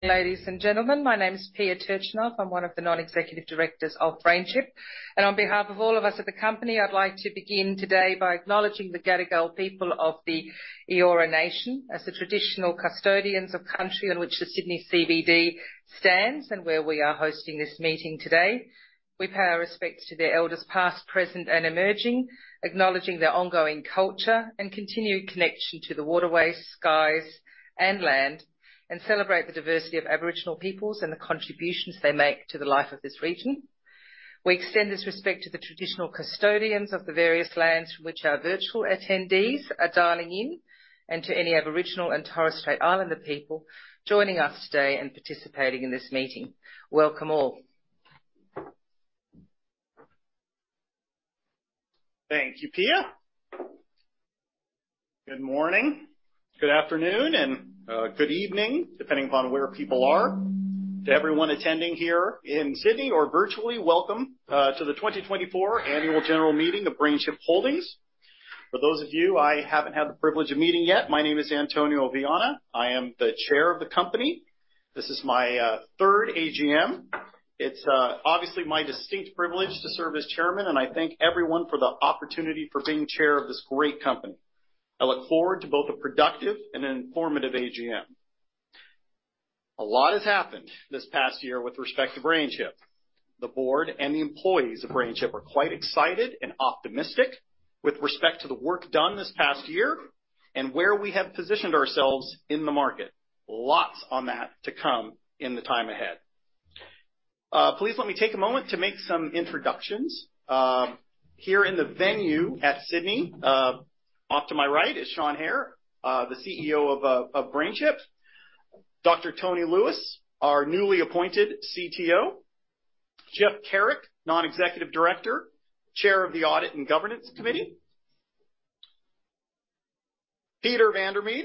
Ladies and gentlemen, my name is Pia Turcinov. I'm one of the non-executive directors of BrainChip, and on behalf of all of us at the company, I'd like to begin today by acknowledging the Gadigal people of the Eora Nation as the traditional custodians of country on which the Sydney CBD stands and where we are hosting this meeting today. We pay our respects to their elders, past, present, and emerging, acknowledging their ongoing culture and continued connection to the waterways, skies, and land, and celebrate the diversity of Aboriginal peoples and the contributions they make to the life of this region. We extend this respect to the traditional custodians of the various lands from which our virtual attendees are dialing in, and to any Aboriginal and Torres Strait Islander people joining us today and participating in this meeting. Welcome all. Thank you, Pia. Good morning, good afternoon, and good evening, depending upon where people are. To everyone attending here in Sydney or virtually, welcome to the 2024 annual general meeting of BrainChip Holdings. For those of you I haven't had the privilege of meeting yet, my name is Antonio Viana. I am the Chair of the company. This is my third AGM. It's obviously my distinct privilege to serve as Chairman, and I thank everyone for the opportunity for being Chair of this great company. I look forward to both a productive and an informative AGM. A lot has happened this past year with respect to BrainChip. The board and the employees of BrainChip are quite excited and optimistic with respect to the work done this past year and where we have positioned ourselves in the market. Lots on that to come in the time ahead. Please let me take a moment to make some introductions. Here in the venue at Sydney, off to my right is Sean Hehir, the CEO of BrainChip. Dr. Tony Lewis, our newly appointed CTO. Geoff Carrick, non-executive director, chair of the Audit and Governance Committee. Peter van der Made.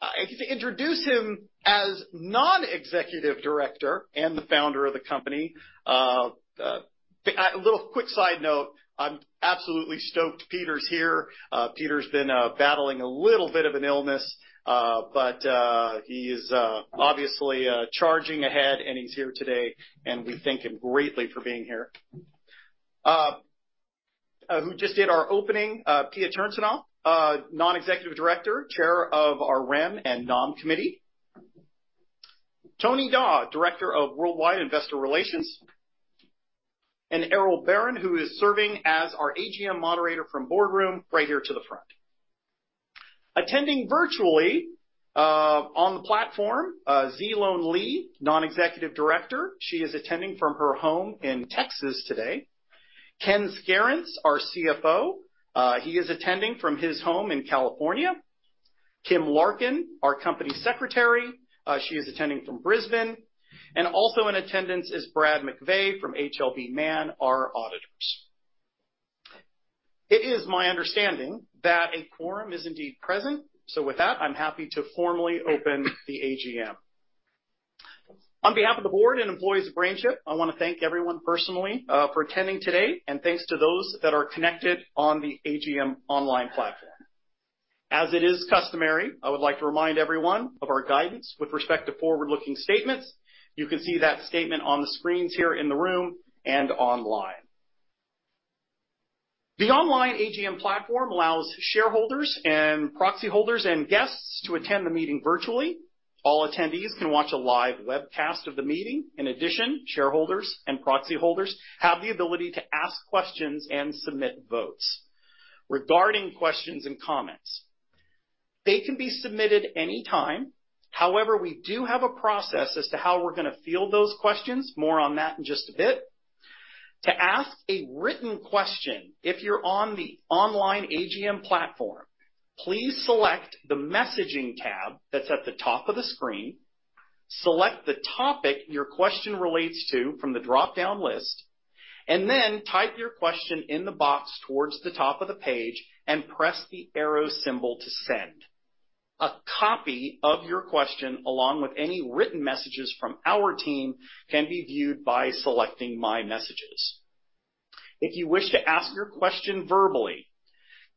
I get to introduce him as non-executive director and the founder of the company. A little quick side note, I'm absolutely stoked Peter's here. Peter's been battling a little bit of an illness, but he is obviously charging ahead, and he's here today, and we thank him greatly for being here. Who just did our opening, Pia Turcinov, non-executive director, chair of our Rem and Nom Committee. Tony Dawe, Director of Worldwide Investor Relations, and Errol Barkan, who is serving as our AGM moderator from Boardroom, right here to the front. Attending virtually on the platform, Zhilong Li, Non-Executive Director. She is attending from her home in Texas today. Ken Scarince, our CFO, he is attending from his home in California. Kim Larkin, our Company Secretary, she is attending from Brisbane, and also in attendance is Brad McVeigh from HLB Mann Judd, our auditors. It is my understanding that a quorum is indeed present, so with that, I'm happy to formally open the AGM. On behalf of the board and employees of BrainChip, I want to thank everyone personally for attending today, and thanks to those that are connected on the AGM online platform. As it is customary, I would like to remind everyone of our guidance with respect to forward-looking statements. You can see that statement on the screens here in the room and online. The online AGM platform allows shareholders and proxy holders and guests to attend the meeting virtually. All attendees can watch a live webcast of the meeting. In addition, shareholders and proxy holders have the ability to ask questions and submit votes. Regarding questions and comments, they can be submitted anytime. However, we do have a process as to how we're going to field those questions. More on that in just a bit. To ask a written question, if you're on the online AGM platform, please select the Messaging tab that's at the top of the screen, select the topic your question relates to from the drop-down list, and then type your question in the box towards the top of the page and press the arrow symbol to send. A copy of your question, along with any written messages from our team, can be viewed by selecting My Messages. If you wish to ask your question verbally,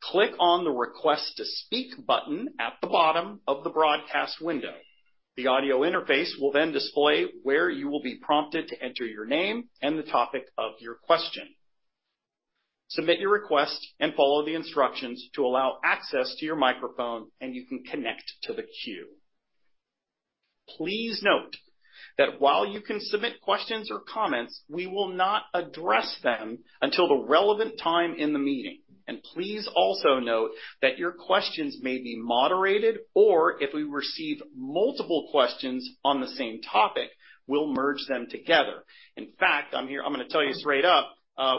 click on the Request to Speak button at the bottom of the broadcast window. The audio interface will then display where you will be prompted to enter your name and the topic of your question. Submit your request and follow the instructions to allow access to your microphone, and you can connect to the queue. Please note that while you can submit questions or comments, we will not address them until the relevant time in the meeting. Please also note that your questions may be moderated, or if we receive multiple questions on the same topic, we'll merge them together. In fact, I'm going to tell you straight up,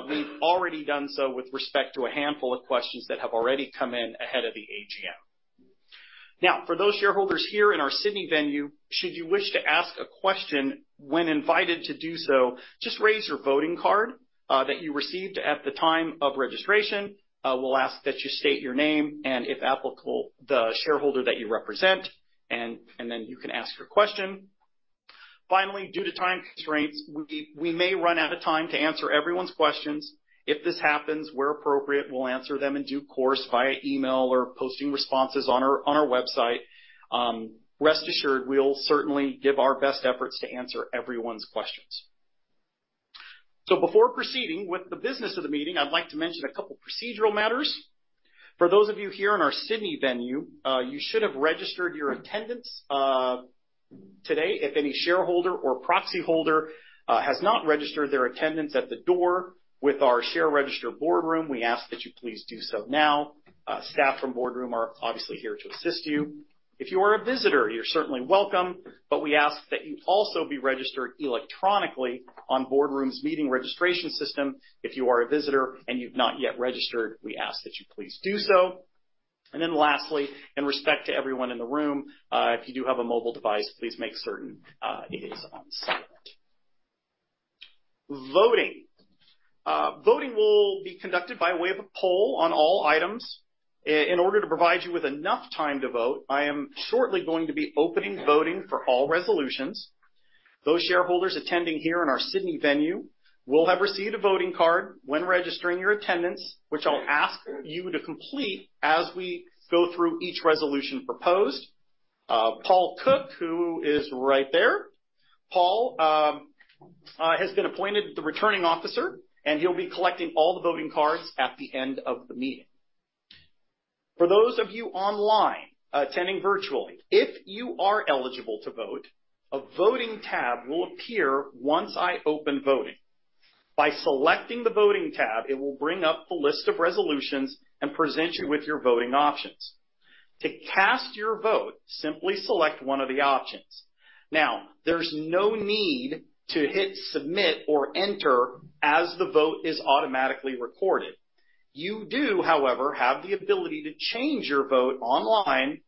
we've already done so with respect to a handful of questions that have already come in ahead of the AGM. Now, for those shareholders here in our Sydney venue, should you wish to ask a question when invited to do so, just raise your voting card that you received at the time of registration. We'll ask that you state your name and, if applicable, the shareholder that you represent, and then you can ask your question. Finally, due to time constraints, we may run out of time to answer everyone's questions. If this happens, where appropriate, we'll answer them in due course via email or posting responses on our website. Rest assured, we'll certainly give our best efforts to answer everyone's questions. So before proceeding with the business of the meeting, I'd like to mention a couple procedural matters. For those of you here in our Sydney venue, you should have registered your attendance today. If any shareholder or proxy holder has not registered their attendance at the door with our share register Boardroom, we ask that you please do so now. Staff from Boardroom are obviously here to assist you. If you are a visitor, you're certainly welcome, but we ask that you also be registered electronically on Boardroom's meeting registration system. If you are a visitor and you've not yet registered, we ask that you please do so. And then lastly, in respect to everyone in the room, if you do have a mobile device, please make certain it is on silent. Voting. Voting will be conducted by way of a poll on all items. In order to provide you with enough time to vote, I am shortly going to be opening voting for all Resolutions. Those shareholders attending here in our Sydney venue will have received a voting card when registering your attendance, which I'll ask you to complete as we go through each Resolution proposed. Paul Cook, who is right there, Paul, has been appointed the Returning Officer, and he'll be collecting all the voting cards at the end of the meeting. For those of you online attending virtually, if you are eligible to vote, a voting tab will appear once I open voting. By selecting the voting tab, it will bring up the list of Resolutions and present you with your voting options. To cast your vote, simply select one of the options. Now, there's no need to hit Submit or Enter, as the vote is automatically recorded. You do, however, have the ability to change your vote online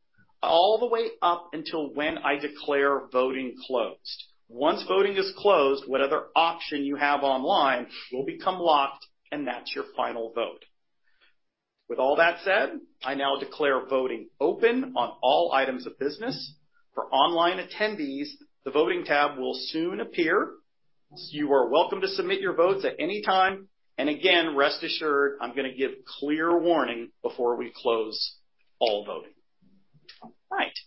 all the way up until when I declare voting closed. Once voting is closed, whatever option you have online will become locked, and that's your final vote. With all that said, I now declare voting open on all items of business. For online attendees, the voting tab will soon appear. You are welcome to submit your votes at any time, and again, rest assured, I'm gonna give clear warning before we close all voting. All right.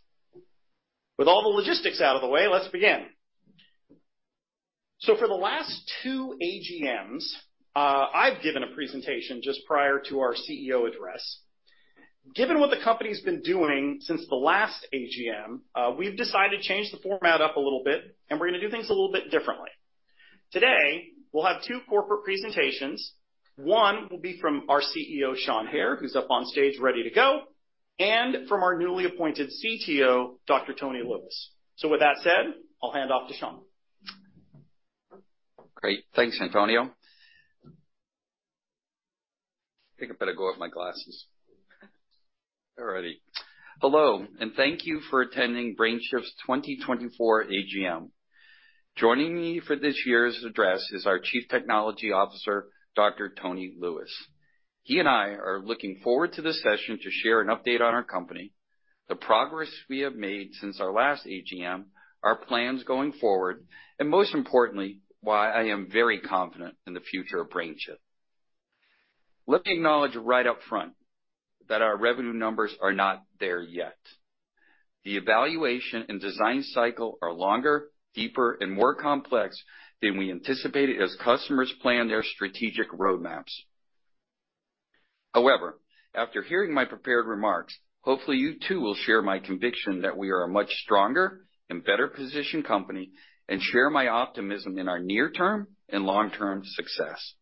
With all the logistics out of the way, let's begin. So for the last two AGMs, I've given a presentation just prior to our CEO address. Given what the company's been doing since the last AGM, we've decided to change the format up a little bit, and we're gonna do things a little bit differently. Today, we'll have two corporate presentations. One will be from our CEO, Sean Hehir, who's up on stage, ready to go, and from our newly appointed CTO, Dr. Tony Lewis. So with that said, I'll hand off to Sean. Great. Thanks, Antonio. I think I better go with my glasses. All righty. Hello, and thank you for attending BrainChip's 2024 AGM. Joining me for this year's address is our Chief Technology Officer, Dr. Tony Lewis. He and I are looking forward to this session to share an update on our company, the progress we have made since our last AGM, our plans going forward, and most importantly, why I am very confident in the future of BrainChip. Let me acknowledge right up front that our revenue numbers are not there yet. The evaluation and design cycle are longer, deeper, and more complex than we anticipated as customers plan their strategic roadmaps. However, after hearing my prepared remarks, hopefully you, too, will share my conviction that we are a much stronger and better-positioned company, and share my optimism in our near-term and long-term success.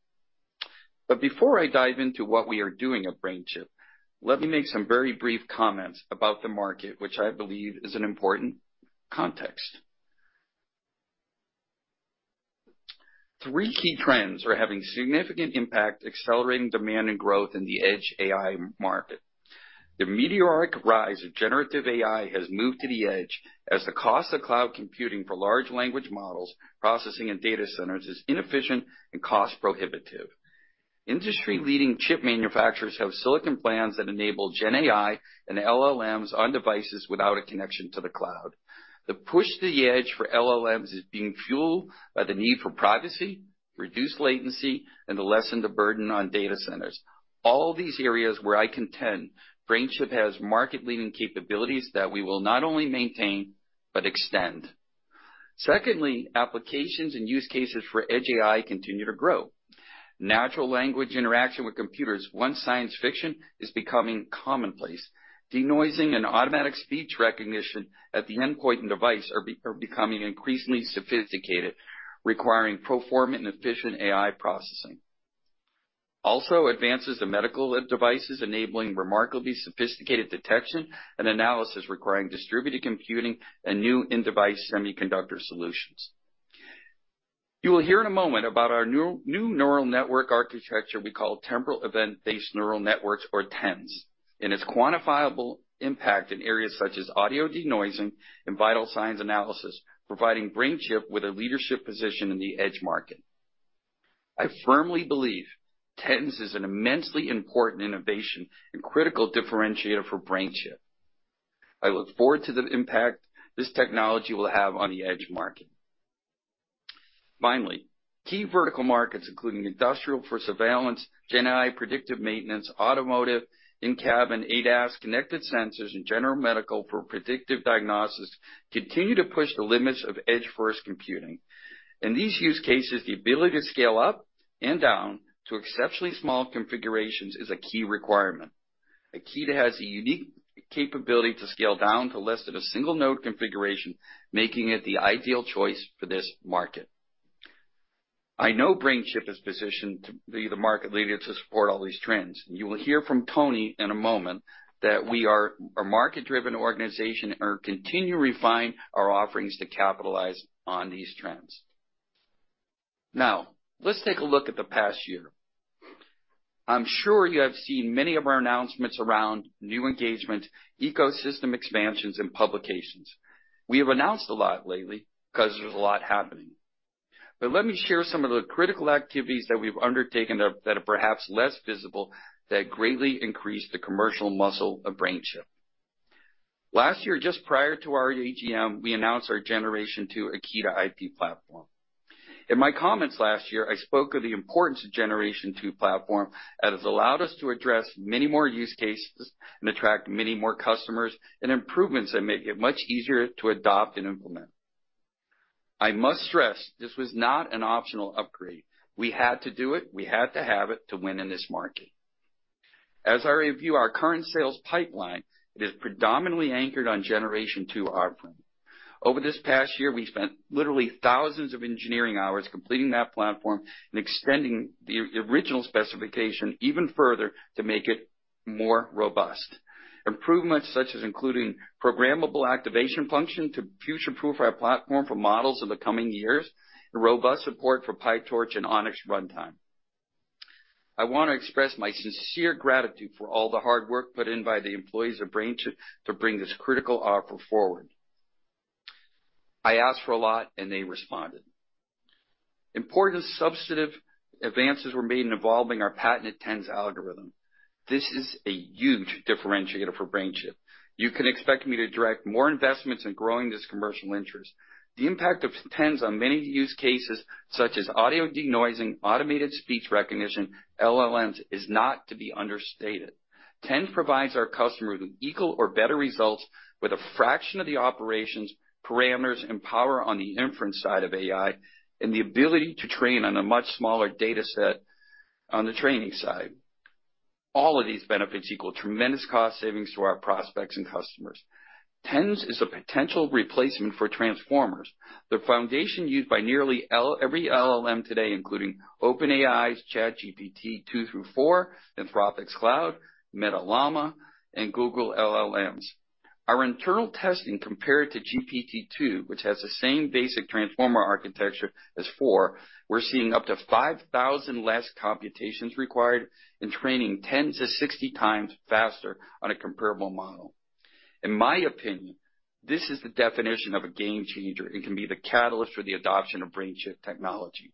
But before I dive into what we are doing at BrainChip, let me make some very brief comments about the market, which I believe is an important context. Three key trends are having significant impact, accelerating demand and growth in the edge AI market. The meteoric rise of generative AI has moved to the edge, as the cost of cloud computing for large language models, processing and data centers is inefficient and cost prohibitive. Industry-leading chip manufacturers have silicon plans that enable GenAI and LLMs on devices without a connection to the cloud. The push to the edge for LLMs is being fueled by the need for privacy, reduced latency, and to lessen the burden on data centers. All these areas where I contend BrainChip has market-leading capabilities that we will not only maintain, but extend. Secondly, applications and use cases for edge AI continue to grow. Natural language interaction with computers, once science fiction, is becoming commonplace. Denoising and automatic speech recognition at the endpoint and device are becoming increasingly sophisticated, requiring powerful and efficient AI processing. Also, advances in medical devices enabling remarkably sophisticated detection and analysis, requiring distributed computing and new in-device semiconductor solutions. You will hear in a moment about our new neural network architecture we call temporal event-based neural networks, or TENNs, and its quantifiable impact in areas such as audio denoising and vital signs analysis, providing BrainChip with a leadership position in the edge market. I firmly believe TENNs is an immensely important innovation and critical differentiator for BrainChip. I look forward to the impact this technology will have on the edge market. Finally, key vertical markets, including industrial for surveillance, GenAI, predictive maintenance, automotive, in-cabin ADAS, connected sensors, and general medical for predictive diagnostics, continue to push the limits of edge-first computing. In these use cases, the ability to scale up and down to exceptionally small configurations is a key requirement. Akida has a unique capability to scale down to less than a single node configuration, making it the ideal choice for this market. I know BrainChip is positioned to be the market leader to support all these trends. You will hear from Tony in a moment that we are a market-driven organization and are continuing to refine our offerings to capitalize on these trends. Now, let's take a look at the past year. I'm sure you have seen many of our announcements around new engagement, ecosystem expansions, and publications. We have announced a lot lately because there's a lot happening. But let me share some of the critical activities that we've undertaken that are perhaps less visible, that greatly increase the commercial muscle of BrainChip. Last year, just prior to our AGM, we announced our Generation Two Akida IP platform. In my comments last year, I spoke of the importance of Generation Two platform, that has allowed us to address many more use cases and attract many more customers, and improvements that make it much easier to adopt and implement. I must stress, this was not an optional upgrade. We had to do it. We had to have it to win in this market. As I review our current sales pipeline, it is predominantly anchored on Generation Two offering. Over this past year, we spent literally thousands of engineering hours completing that platform and extending the original specification even further to make it more robust. Improvements such as including programmable activation function to future-proof our platform for models in the coming years, and robust support for PyTorch and ONNX runtime. I want to express my sincere gratitude for all the hard work put in by the employees of BrainChip to bring this critical offer forward. I asked for a lot, and they responded. Important substantive advances were made in evolving our patented TENNs algorithm. This is a huge differentiator for BrainChip. You can expect me to direct more investments in growing this commercial interest. The impact of TENNs on many use cases, such as audio denoising, automated speech recognition, LLMs, is not to be understated. TENNs provides our customers with equal or better results, with a fraction of the operations, parameters, and power on the inference side of AI, and the ability to train on a much smaller data set on the training side. All of these benefits equal tremendous cost savings to our prospects and customers. TENNs is a potential replacement for transformers, the foundation used by nearly every LLM today, including OpenAI's ChatGPT 2-4, Anthropic's Claude, Meta Llama, and Google LLMs. Our internal testing, compared to GPT-2, which has the same basic transformer architecture as four, we're seeing up to 5,000 less computations required and training 10-60 times faster on a comparable model. In my opinion, this is the definition of a game changer and can be the catalyst for the adoption of BrainChip technology.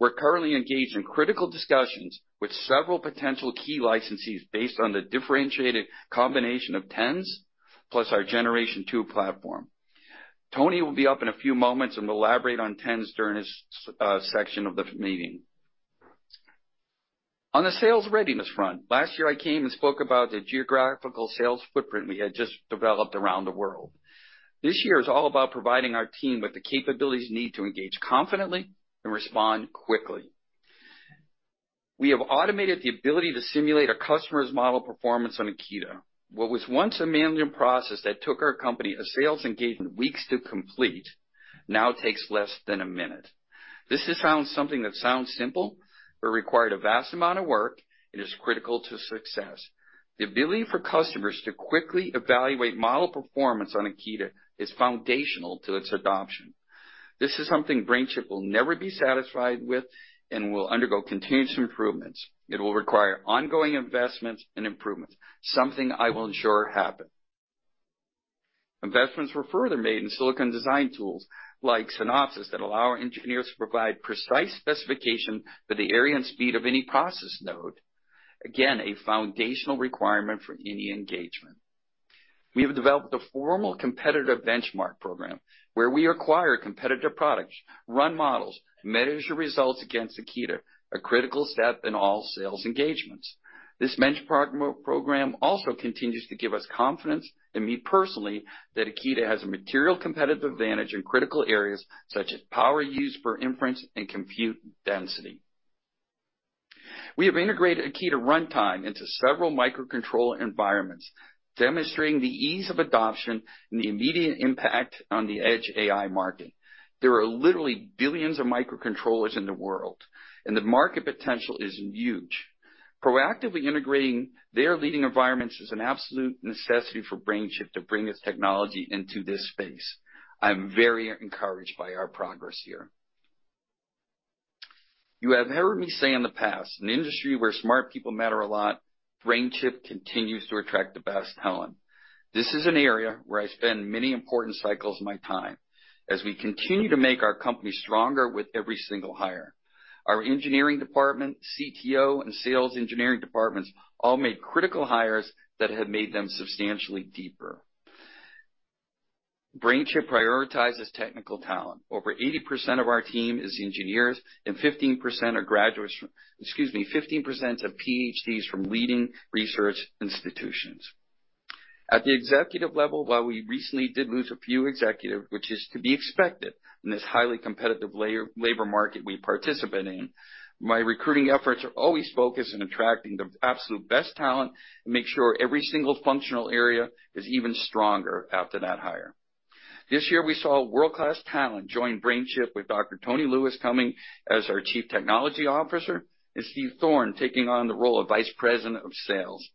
We're currently engaged in critical discussions with several potential key licensees based on the differentiated combination of TENNs plus our Generation Two platform. Tony will be up in a few moments and will elaborate on TENNs during his section of the meeting. On the sales readiness front, last year I came and spoke about the geographical sales footprint we had just developed around the world. This year is all about providing our team with the capabilities needed to engage confidently and respond quickly. We have automated the ability to simulate a customer's model performance on Akida. What was once a manual process that took our company a sales engagement weeks to complete, now takes less than a minute. This sounds something that sounds simple, but required a vast amount of work and is critical to success. The ability for customers to quickly evaluate model performance on Akida is foundational to its adoption. This is something BrainChip will never be satisfied with and will undergo continuous improvements. It will require ongoing investments and improvements, something I will ensure happen. Investments were further made in silicon design tools like Synopsys, that allow our engineers to provide precise specification for the area and speed of any process node. Again, a foundational requirement for any engagement. We have developed a formal competitive benchmark program, where we acquire competitive products, run models, and measure results against Akida, a critical step in all sales engagements. This benchmark program also continues to give us confidence, and me personally, that Akida has a material competitive advantage in critical areas such as power use per inference and compute density. We have integrated Akida runtime into several microcontroller environments, demonstrating the ease of adoption and the immediate impact on the edge AI market. There are literally billions of microcontrollers in the world, and the market potential is huge. Proactively integrating their leading environments is an absolute necessity for BrainChip to bring this technology into this space. I'm very encouraged by our progress here. You have heard me say in the past, an industry where smart people matter a lot. BrainChip continues to attract the best talent. This is an area where I spend many important cycles of my time as we continue to make our company stronger with every single hire. Our engineering department, CTO, and sales engineering departments all made critical hires that have made them substantially deeper. BrainChip prioritizes technical talent. Over 80% of our team is engineers, and 15% are graduates from - excuse me, 15% are PhDs from leading research institutions. At the executive level, while we recently did lose a few executive, which is to be expected in this highly competitive layer- labor market we participate in, my recruiting efforts are always focused on attracting the absolute best talent and make sure every single functional area is even stronger after that hire. This year, we saw world-class talent join BrainChip, with Dr. Tony Lewis coming as our Chief Technology Officer, and Steve Thorne taking on the role of Vice President of Sales.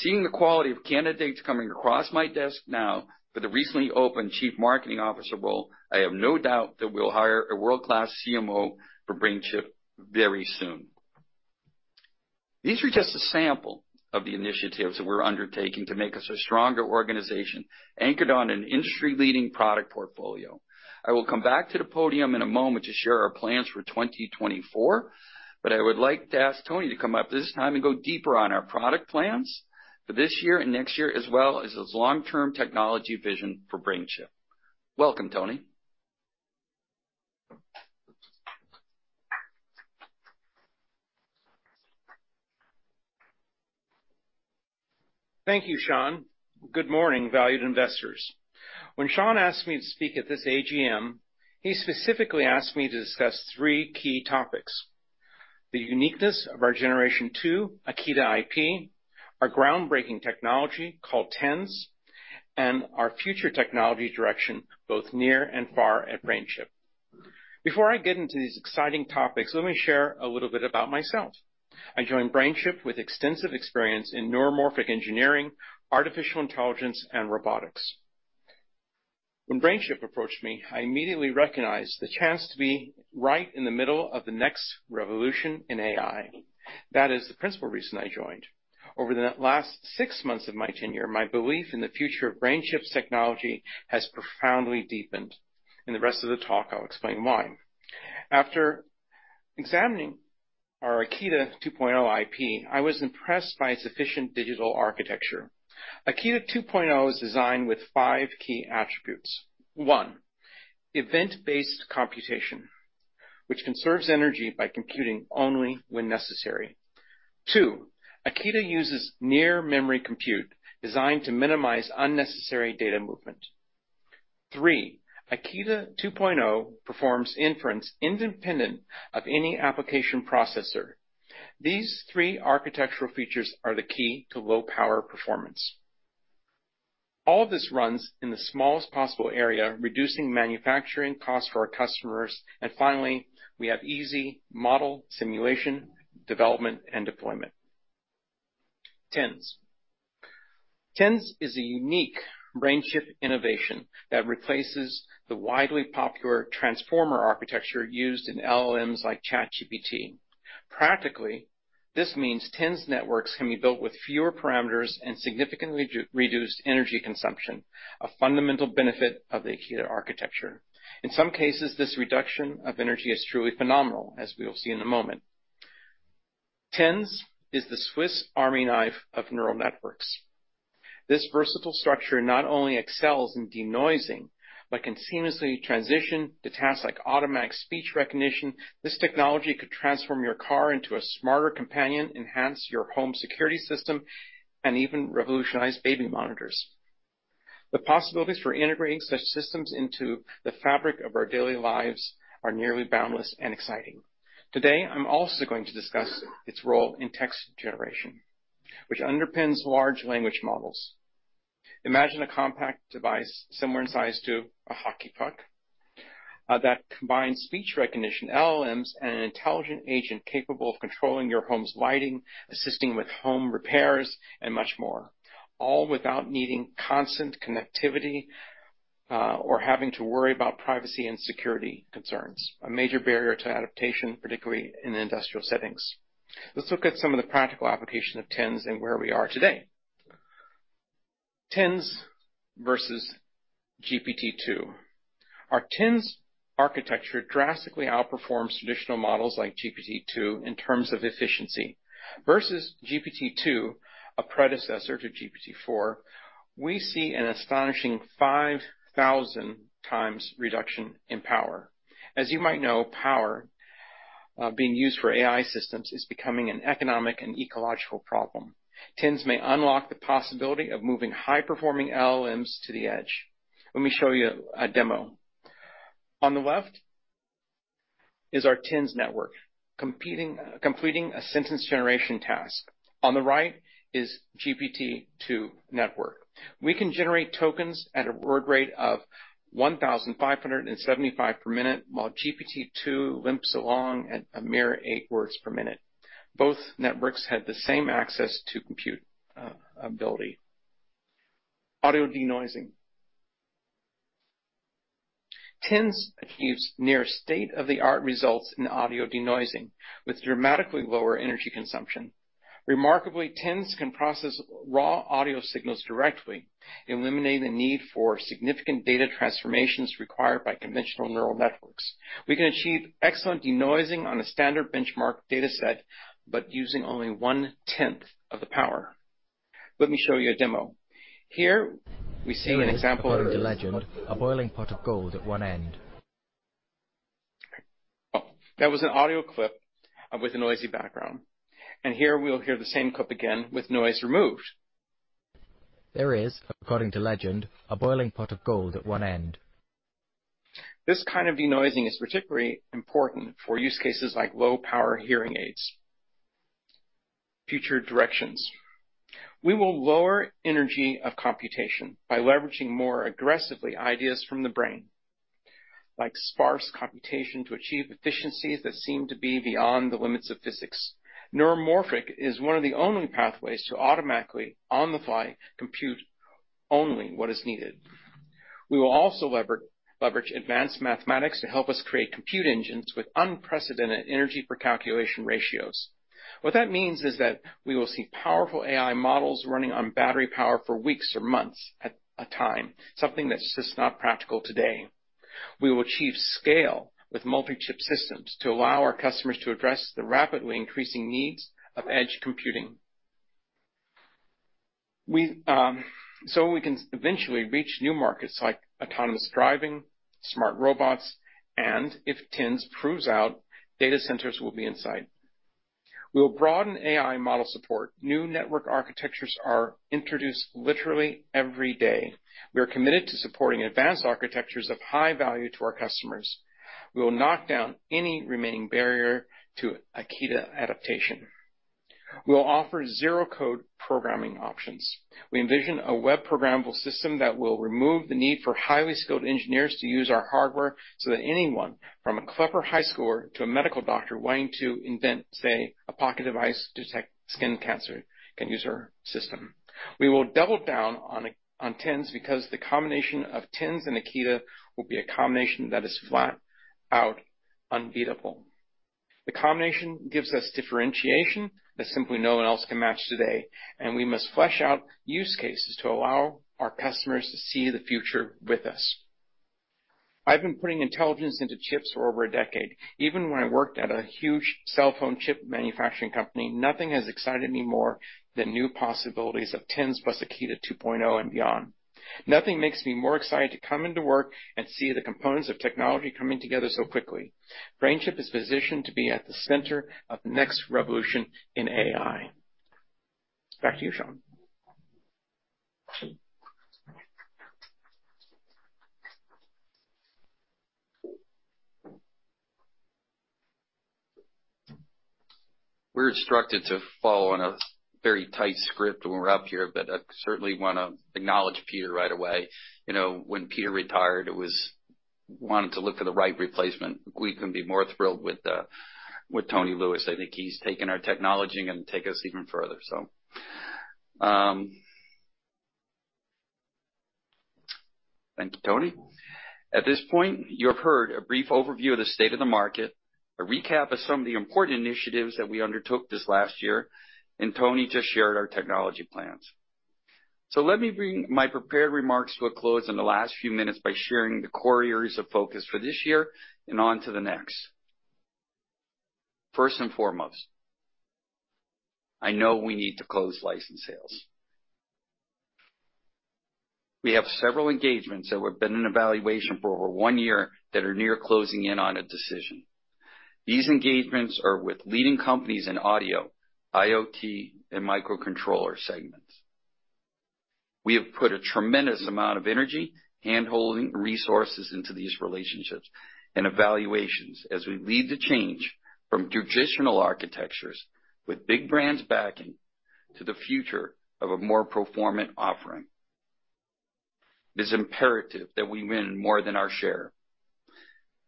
Seeing the quality of candidates coming across my desk now for the recently opened Chief Marketing Officer role, I have no doubt that we'll hire a world-class CMO for BrainChip very soon. These are just a sample of the initiatives that we're undertaking to make us a stronger organization, anchored on an industry-leading product portfolio. I will come back to the podium in a moment to share our plans for 2024, but I would like to ask Tony to come up this time and go deeper on our product plans for this year and next year, as well as his long-term technology vision for BrainChip. Welcome, Tony. Thank you, Sean. Good morning, valued investors. When Sean asked me to speak at this AGM, he specifically asked me to discuss three key topics: the uniqueness of our Generation Two Akida IP, our groundbreaking technology called TENNs, and our future technology direction, both near and far, at BrainChip. Before I get into these exciting topics, let me share a little bit about myself. I joined BrainChip with extensive experience in neuromorphic engineering, artificial intelligence, and robotics. When BrainChip approached me, I immediately recognized the chance to be right in the middle of the next revolution in AI. That is the principal reason I joined. Over the last six months of my tenure, my belief in the future of BrainChip's technology has profoundly deepened. In the rest of the talk, I'll explain why. After examining our Akida 2.0 IP, I was impressed by its efficient digital architecture. Akida 2.0 is designed with five key attributes. One, event-based computation, which conserves energy by computing only when necessary. Two, Akida uses near memory compute, designed to minimize unnecessary data movement. Three, Akida 2.0 performs inference independent of any application processor. These three architectural features are the key to low power performance. All of this runs in the smallest possible area, reducing manufacturing costs for our customers. And finally, we have easy model simulation, development, and deployment. TENNs. TENNs is a unique BrainChip innovation that replaces the widely popular transformer architecture used in LLMs like ChatGPT. Practically, this means TENNs networks can be built with fewer parameters and significantly reduced energy consumption, a fundamental benefit of the Akida architecture. In some cases, this reduction of energy is truly phenomenal, as we will see in a moment. TENNs is the Swiss Army knife of neural networks. This versatile structure not only excels in denoising, but can seamlessly transition to tasks like automatic speech recognition. This technology could transform your car into a smarter companion, enhance your home security system, and even revolutionize baby monitors. The possibilities for integrating such systems into the fabric of our daily lives are nearly boundless and exciting. Today, I'm also going to discuss its role in text generation, which underpins large language models. Imagine a compact device, similar in size to a hockey puck, that combines speech recognition, LLMs, and an intelligent agent capable of controlling your home's lighting, assisting with home repairs, and much more, all without needing constant connectivity, or having to worry about privacy and security concerns, a major barrier to adaptation, particularly in industrial settings. Let's look at some of the practical application of TENNs and where we are today. TENNs versus GPT-2. Our TENNs architecture drastically outperforms traditional models like GPT-2 in terms of efficiency. Versus GPT-2, a predecessor to GPT-4, we see an astonishing 5,000 times reduction in power. As you might know, power being used for AI systems is becoming an economic and ecological problem. TENNs may unlock the possibility of moving high-performing LLMs to the edge. Let me show you a demo. On the left is our TENNs network, completing a sentence generation task. On the right is GPT-2 network. We can generate tokens at a word rate of 1,575 per minute, while GPT-2 limps along at a mere eight words per minute. Both networks had the same access to compute ability. Audio denoising. TENNs achieves near state-of-the-art results in audio denoising, with dramatically lower energy consumption. Remarkably, TENNs can process raw audio signals directly, eliminating the need for significant data transformations required by conventional neural networks. We can achieve excellent denoising on a standard benchmark data set, but using only one-tenth of the power. Let me show you a demo. Here, we see an example- According to legend, a boiling pot of gold at one end. Oh, that was an audio clip with a noisy background. Here we'll hear the same clip again with noise removed. There is, according to legend, a boiling pot of gold at one end. This kind of denoising is particularly important for use cases like low power hearing aids. Future directions. We will lower energy of computation by leveraging more aggressively ideas from the brain, like sparse computation, to achieve efficiencies that seem to be beyond the limits of physics. Neuromorphic is one of the only pathways to automatically, on-the-fly, compute only what is needed. We will also leverage advanced mathematics to help us create compute engines with unprecedented energy per calculation ratios. What that means is that we will see powerful AI models running on battery power for weeks or months at a time, something that's just not practical today. We will achieve scale with multi-chip systems to allow our customers to address the rapidly increasing needs of edge computing. We so we can eventually reach new markets like autonomous driving, smart robots, and if TENNs proves out, data centers will be in sight. We will broaden AI model support. New network architectures are introduced literally every day. We are committed to supporting advanced architectures of high value to our customers. We will knock down any remaining barrier to Akida adaptation. We will offer zero code programming options. We envision a web programmable system that will remove the need for highly skilled engineers to use our hardware, so that anyone from a clever high schooler to a medical doctor wanting to invent, say, a pocket device to detect skin cancer, can use our system. We will double down on TENNs because the combination of TENNs and Akida will be a combination that is flat out unbeatable. The combination gives us differentiation that simply no one else can match today, and we must flesh out use cases to allow our customers to see the future with us. I've been putting intelligence into chips for over a decade. Even when I worked at a huge cell phone chip manufacturing company, nothing has excited me more than new possibilities of TENNs plus Akida 2.0 and beyond. Nothing makes me more excited to come into work and see the components of technology coming together so quickly. BrainChip is positioned to be at the center of the next revolution in AI. Back to you, Sean. We're instructed to follow on a very tight script when we're up here, but I certainly want to acknowledge Peter right away. You know, when Peter retired, it was-- wanted to look for the right replacement. We couldn't be more thrilled with Tony Lewis. I think he's taken our technology and take us even further. So, thank you, Tony. At this point, you have heard a brief overview of the state of the market, a recap of some of the important initiatives that we undertook this last year, and Tony just shared our technology plans. So let me bring my prepared remarks to a close in the last few minutes by sharing the core areas of focus for this year and on to the next. First and foremost, I know we need to close license sales. We have several engagements that have been in evaluation for over one year that are near closing in on a decision. These engagements are with leading companies in audio, IoT, and microcontroller segments. We have put a tremendous amount of energy, handholding, resources into these relationships and evaluations as we lead the change from traditional architectures with big brands backing to the future of a more performant offering. It is imperative that we win more than our share.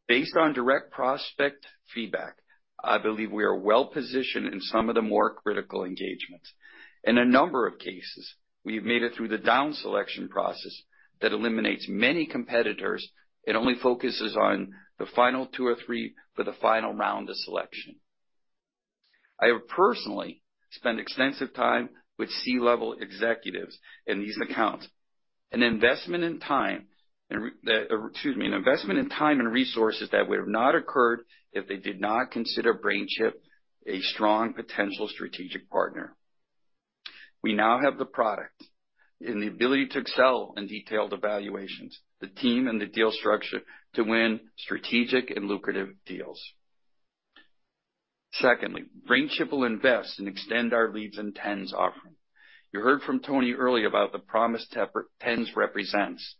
Based on direct prospect feedback, I believe we are well positioned in some of the more critical engagements. In a number of cases, we've made it through the down selection process that eliminates many competitors and only focuses on the final two or three for the final round of selection. I have personally spent extensive time with C-level executives in these accounts, an investment in time and resources that would have not occurred if they did not consider BrainChip a strong potential strategic partner. We now have the product and the ability to excel in detailed evaluations, the team and the deal structure to win strategic and lucrative deals. Secondly, BrainChip will invest and extend our leads in TENNs offering. You heard from Tony earlier about the promise TENNs represents.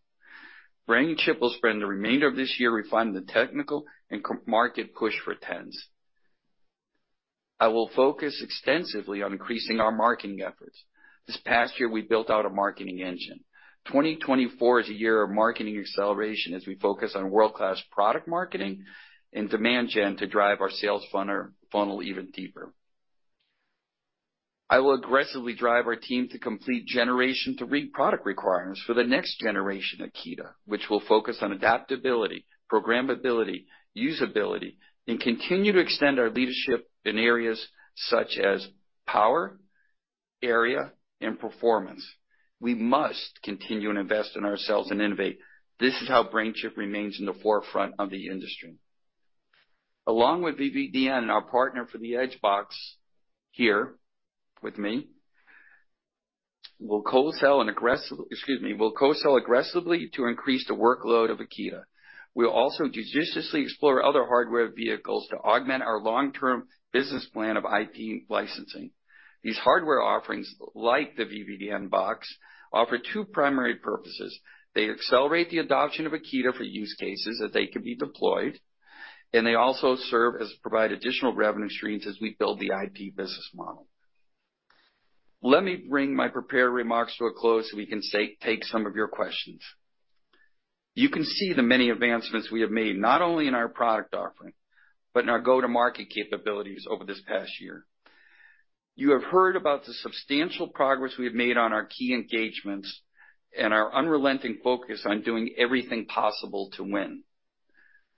BrainChip will spend the remainder of this year refining the technical and market push for TENNs. I will focus extensively on increasing our marketing efforts. This past year, we built out a marketing engine. 2024 is a year of marketing acceleration as we focus on world-class product marketing and demand gen to drive our sales funnel even deeper. I will aggressively drive our team to complete Generation 2 roadmap product requirements for the next generation of Akida, which will focus on adaptability, programmability, usability, and continue to extend our leadership in areas such as power, area, and performance. We must continue to invest in ourselves and innovate. This is how BrainChip remains in the forefront of the industry. Along with VVDN, our partner for the Edge Box, here with me, we'll co-sell aggressively to increase the workload of Akida. We'll also judiciously explore other hardware vehicles to augment our long-term business plan of IP licensing. These hardware offerings, like the VVDN box, offer two primary purposes: They accelerate the adoption of Akida for use cases that can be deployed, and they also serve to provide additional revenue streams as we build the IP business model. Let me bring my prepared remarks to a close, so we can take some of your questions. You can see the many advancements we have made, not only in our product offering, but in our go-to-market capabilities over this past year. You have heard about the substantial progress we have made on our key engagements and our unrelenting focus on doing everything possible to win.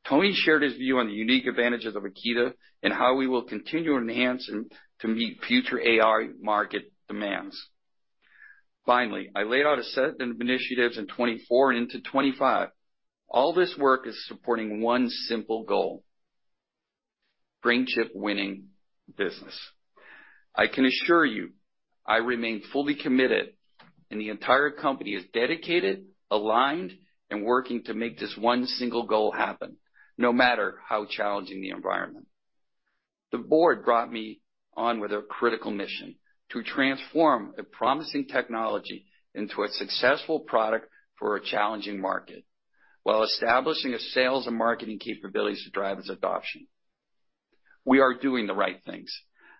Tony shared his view on the unique advantages of Akida and how we will continue to enhance them to meet future AI market demands. Finally, I laid out a set of initiatives in 2024 and into 2025. All this work is supporting one simple goal: BrainChip winning business. I can assure you, I remain fully committed, and the entire company is dedicated, aligned, and working to make this one single goal happen, no matter how challenging the environment. The board brought me on with a critical mission: to transform a promising technology into a successful product for a challenging market, while establishing a sales and marketing capabilities to drive its adoption. We are doing the right things.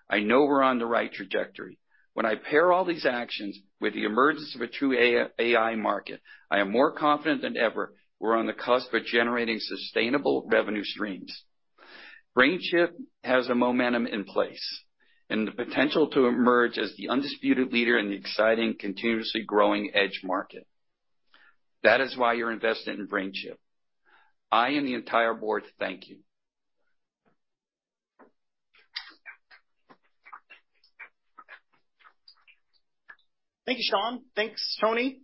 I know we're on the right trajectory. When I pair all these actions with the emergence of a true AI, AI market, I am more confident than ever we're on the cusp of generating sustainable revenue streams. BrainChip has the momentum in place and the potential to emerge as the undisputed leader in the exciting, continuously growing edge market. That is why you're invested in BrainChip. I and the entire board thank you. Thank you, Sean. Thanks, Tony.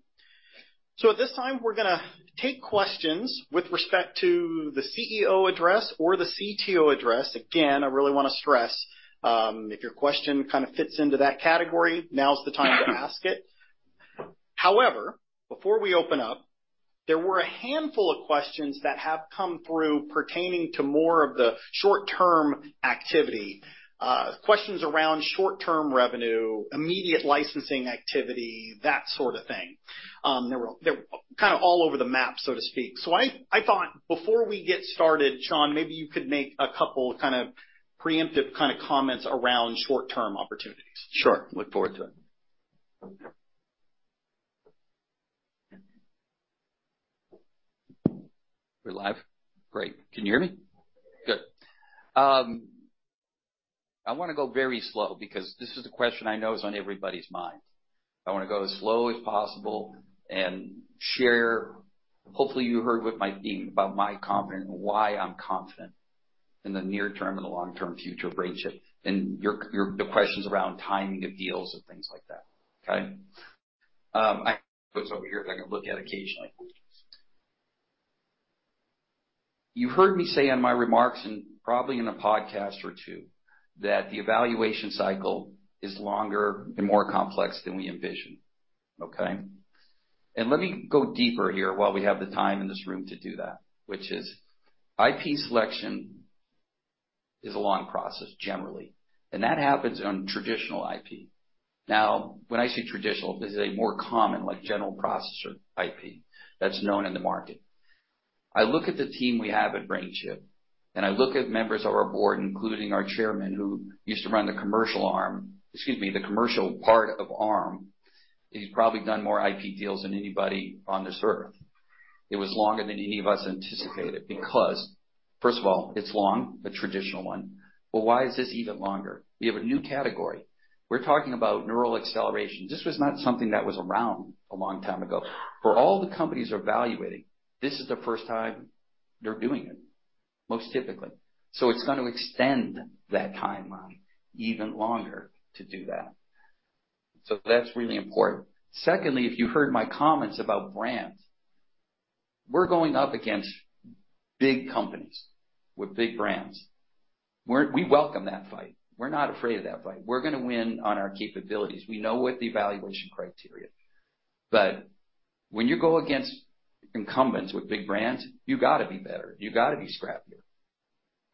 So at this time, we're gonna take questions with respect to the CEO address or the CTO address. Again, I really want to stress, if your question kind of fits into that category, now is the time to ask it. However, before we open up, there were a handful of questions that have come through pertaining to more of the short-term activity, questions around short-term revenue, immediate licensing activity, that sort of thing. They're kind of all over the map, so to speak. So I thought before we get started, Sean, maybe you could make a couple kind of preemptive kind of comments around short-term opportunities. Sure. Look forward to it. We're live? Great. Can you hear me? Good. I wanna go very slow because this is a question I know is on everybody's mind. I wanna go as slow as possible and share... Hopefully, you heard what my theme, about my confidence, and why I'm confident in the near term and the long-term future of BrainChip, and your, your- the questions around timing of deals and things like that. Okay? I put this over here that I can look at occasionally. You heard me say in my remarks and probably in a podcast or two, that the evaluation cycle is longer and more complex than we envisioned, okay? Let me go deeper here while we have the time in this room to do that, which is IP selection is a long process, generally, and that happens on traditional IP. Now, when I say traditional, this is a more common, like, general processor IP that's known in the market. I look at the team we have at BrainChip, and I look at members of our board, including our chairman, who used to run the commercial arm, excuse me, the commercial part of Arm. He's probably done more IP deals than anybody on this Earth. It was longer than any of us anticipated, because, first of all, it's long, a traditional one. But why is this even longer? We have a new category. We're talking about neural acceleration. This was not something that was around a long time ago. For all the companies are evaluating, this is the first time they're doing it, most typically. So it's going to extend that timeline even longer to do that. So that's really important. Secondly, if you heard my comments about brands, we're going up against big companies with big brands. We welcome that fight. We're not afraid of that fight. We're gonna win on our capabilities. We know what the evaluation criteria. But when you go against incumbents with big brands, you gotta be better, you gotta be scrappier,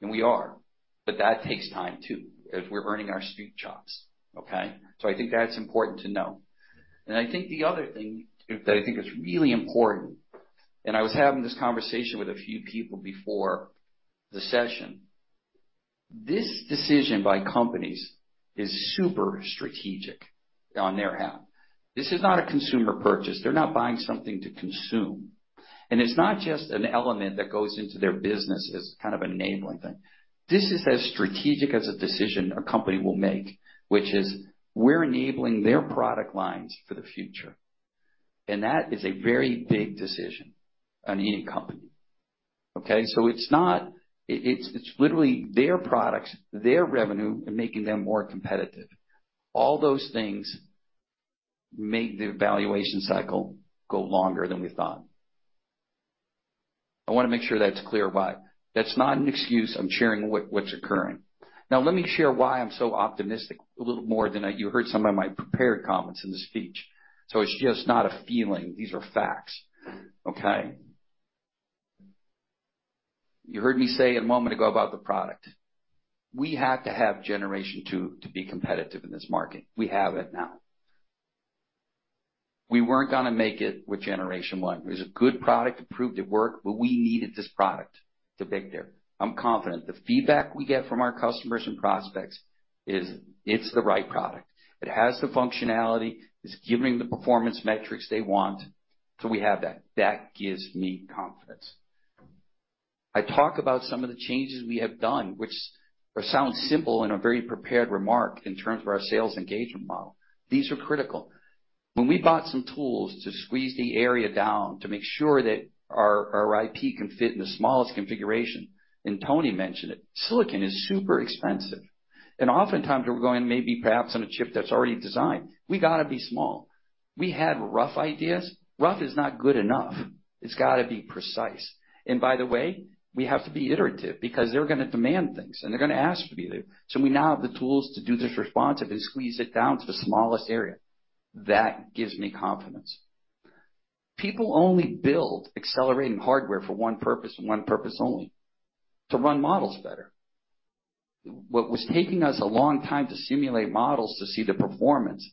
and we are, but that takes time, too, as we're earning our street chops, okay? So I think that's important to know. And I think the other thing that I think is really important, and I was having this conversation with a few people before the session, this decision by companies is super strategic on their part. This is not a consumer purchase. They're not buying something to consume. And it's not just an element that goes into their business as kind of enabling thing. This is as strategic a decision a company will make, which is we're enabling their product lines for the future, and that is a very big decision on any company, okay? So it's not, it's literally their products, their revenue, and making them more competitive. All those things make the evaluation cycle go longer than we thought. I wanna make sure that's clear why. That's not an excuse, I'm sharing what's occurring. Now, let me share why I'm so optimistic, a little more than you heard some of my prepared comments in the speech. So it's just not a feeling, these are facts, okay? You heard me say a moment ago about the product. We had to have generation two to be competitive in this market. We have it now. We weren't gonna make it with generation one. It was a good product, it proved it worked, but we needed this product to victory. I'm confident. The feedback we get from our customers and prospects is, it's the right product. It has the functionality, it's giving the performance metrics they want, so we have that. That gives me confidence. I talk about some of the changes we have done, which sound simple in a very prepared remark in terms of our sales engagement model. These are critical. When we bought some tools to squeeze the area down to make sure that our IP can fit in the smallest configuration, and Tony mentioned it, silicon is super expensive. And oftentimes, we're going maybe perhaps on a chip that's already designed. We gotta be small. We had rough ideas. Rough is not good enough. It's gotta be precise. And by the way, we have to be iterative because they're gonna demand things, and they're gonna ask to be there. So we now have the tools to do this responsive and squeeze it down to the smallest area. That gives me confidence. People only build accelerating hardware for one purpose and one purpose only, to run models better. What was taking us a long time to simulate models to see the performance,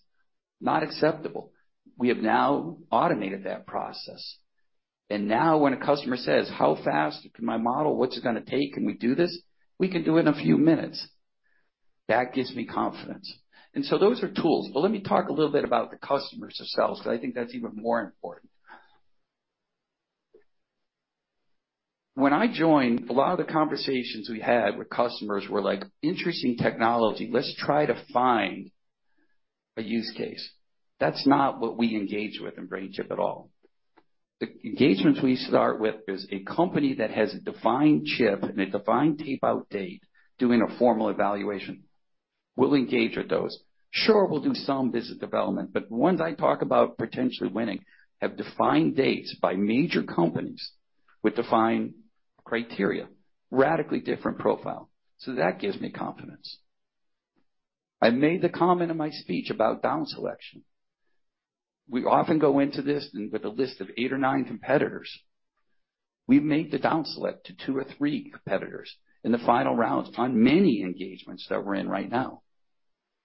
not acceptable. We have now automated that process. And now when a customer says: How fast can my model, what's it gonna take? Can we do this? We can do it in a few minutes. That gives me confidence. And so those are tools, but let me talk a little bit about the customers themselves, because I think that's even more important. When I joined, a lot of the conversations we had with customers were like, interesting technology, let's try to find a use case. That's not what we engage with in BrainChip at all. The engagements we start with is a company that has a defined chip and a defined tape-out date, doing a formal evaluation. We'll engage with those. Sure, we'll do some business development, but the ones I talk about potentially winning have defined dates by major companies with defined criteria, radically different profile. So that gives me confidence. I made the comment in my speech about down selection. We often go into this and with a list of eight or nine competitors. We've made the down select to two or three competitors in the final rounds on many engagements that we're in right now.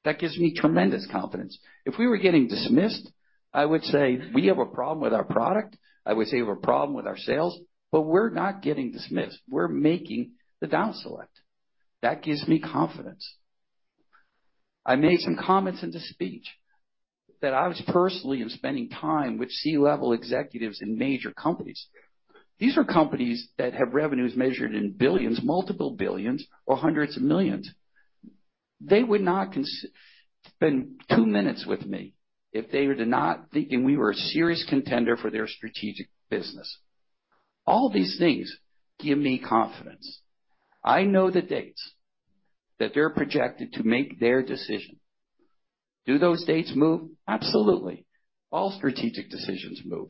That gives me tremendous confidence. If we were getting dismissed, I would say, we have a problem with our product. I would say, we have a problem with our sales, but we're not getting dismissed. We're making the down select. That gives me confidence. I made some comments in the speech that I was personally am spending time with C-level executives in major companies. These are companies that have revenues measured in $ billions, multiple $ billions or hundreds of $ millions. They would not spend two minutes with me if they were to not thinking we were a serious contender for their strategic business. All these things give me confidence. I know the dates that they're projected to make their decision. Do those dates move? Absolutely. All strategic decisions move.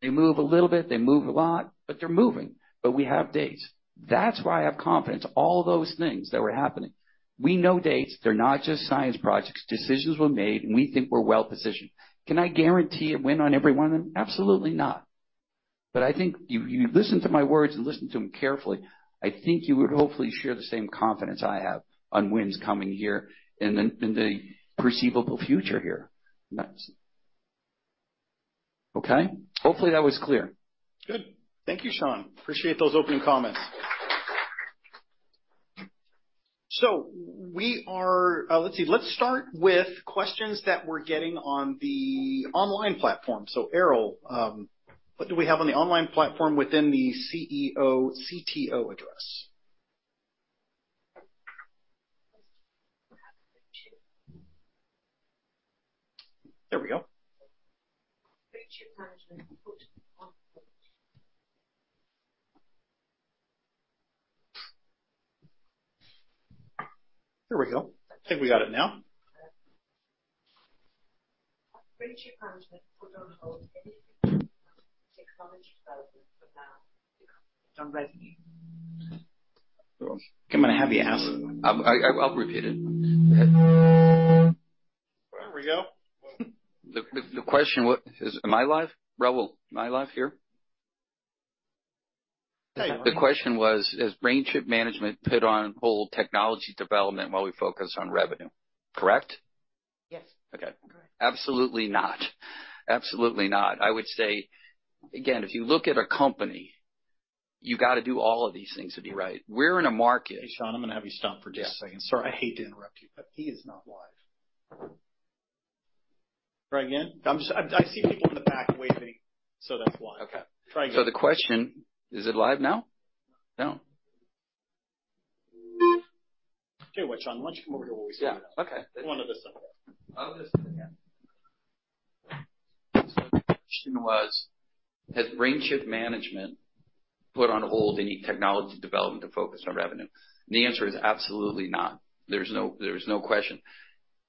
They move a little bit, they move a lot, but they're moving, but we have dates. That's why I have confidence, all those things that were happening. We know dates. They're not just science projects. Decisions were made, and we think we're well-positioned. Can I guarantee a win on every one of them? Absolutely not. But I think you, you listen to my words and listen to them carefully, I think you would hopefully share the same confidence I have on wins coming here in the, in the perceivable future here. Okay? Hopefully, that was clear. Good. Thank you, Sean. Appreciate those opening comments. So we are, let's see, let's start with questions that we're getting on the online platform. So, Errol, what do we have on the online platform within the CEO, CTO address? There we go. There we go. I think we got it now. Has BrainChip Management put on hold technology development for now on revenue? I'm gonna have you ask. I'll repeat it. There we go. Am I live? Errol, am I live here? Yeah. The question was: Has BrainChip Management put on hold technology development while we focus on revenue? Correct? Yes. Okay. Correct. Absolutely not. Absolutely not. I would say, again, if you look at... You've got to do all of these things to be right. We're in a market- Hey, Sean, I'm gonna have you stop for just a second. Sorry, I hate to interrupt you, but he is not live. Try again. I'm just, I see people in the back waving, so that's why. Okay. Try again. So the question... Is it live now? No. Okay, well, Sean, why don't you come over here while we figure it out? Yeah. Okay. Come onto this side. So the question was: Has BrainChip management put on hold any technology development to focus on revenue? And the answer is absolutely not. There's no, there's no question.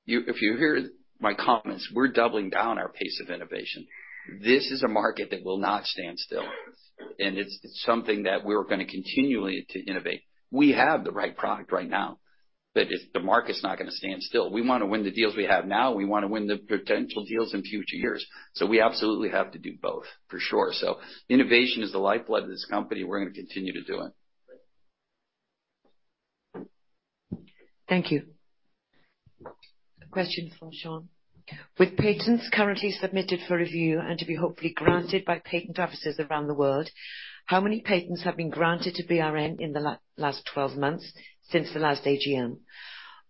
You-- If you hear my comments, we're doubling down our pace of innovation. This is a market that will not stand still, and it's, it's something that we're gonna continually to innovate. We have the right product right now, but if the market's not gonna stand still, we wanna win the deals we have now. We wanna win the potential deals in future years. So we absolutely have to do both, for sure. So innovation is the lifeblood of this company. We're gonna continue to do it. Thank you. A question for Sean. With patents currently submitted for review and to be hopefully granted by patent offices around the world, how many patents have been granted to BRN in the last twelve months since the last AGM?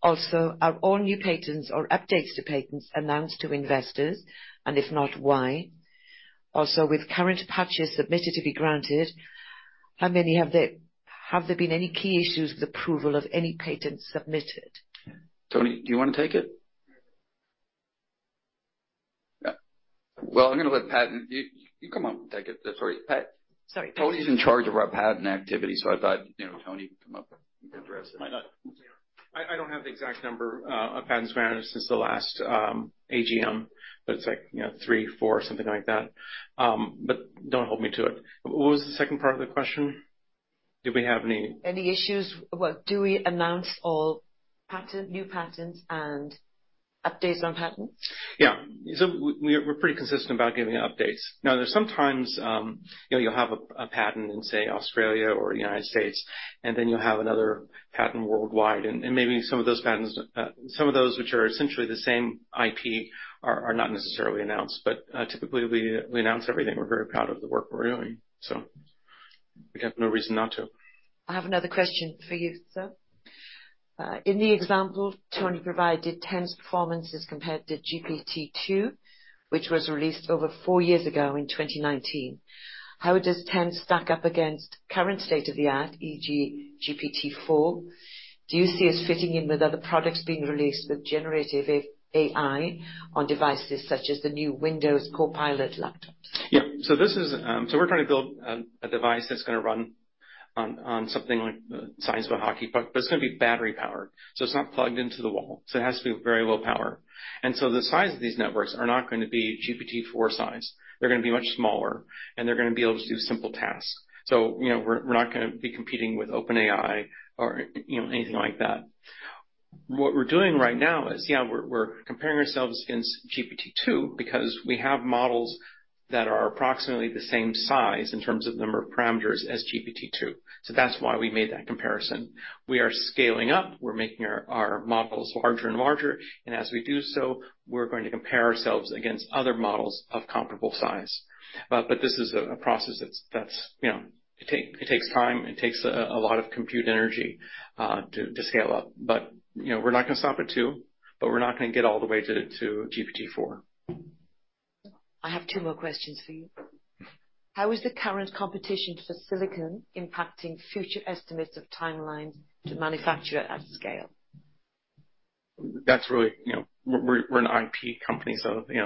Also, are all new patents or updates to patents announced to investors? And if not, why? Also, with current patents submitted to be granted, how many have there been any key issues with approval of any patents submitted? Tony, do you wanna take it? Yeah. Well, I'm gonna let Pat... You, you come up and take it. Sorry, Pat. Sorry. Tony's in charge of our patent activity, so I thought, you know, Tony could come up and address it. I, I don't have the exact number of patents granted since the last AGM, but it's like, you know, 3, 4, something like that. But don't hold me to it. What was the second part of the question? Do we have any- Any issues? Well, do we announce all patents, new patents and updates on patents? Yeah. So we're pretty consistent about giving updates. Now, there's sometimes, you know, you'll have a patent in, say, Australia or United States, and then you'll have another patent worldwide, and maybe some of those patents, which are essentially the same IP, are not necessarily announced, but typically, we announce everything. We're very proud of the work we're doing, so we have no reason not to. I have another question for you, sir. In the example Tony provided, TENN's performance is compared to GPT-2, which was released over four years ago in 2019. How does Ten stack up against current state-of-the-art, e.g. GPT-4? Do you see us fitting in with other products being released with generative AI on devices such as the new Windows Copilot laptops? Yeah. So this is, So we're trying to build, a device that's gonna run on, on something like the size of a hockey puck, but it's gonna be battery-powered, so it's not plugged into the wall, so it has to be very low power. And so the size of these networks are not gonna be GPT-4 size. They're gonna be much smaller, and they're gonna be able to do simple tasks. So you know, we're, we're not gonna be competing with OpenAI or, you know, anything like that. What we're doing right now is, yeah, we're, we're comparing ourselves against GPT-2 because we have models that are approximately the same size in terms of number of parameters as GPT-2, so that's why we made that comparison. We are scaling up. We're making our models larger and larger, and as we do so, we're going to compare ourselves against other models of comparable size. But this is a process that's, you know, it takes time. It takes a lot of compute energy to scale up. But, you know, we're not gonna stop at two, but we're not gonna get all the way to GPT-4. I have two more questions for you. Mm-hmm.How is the current competition for silicon impacting future estimates of timelines to manufacture at scale? That's really... You know, we're an IP company, so, you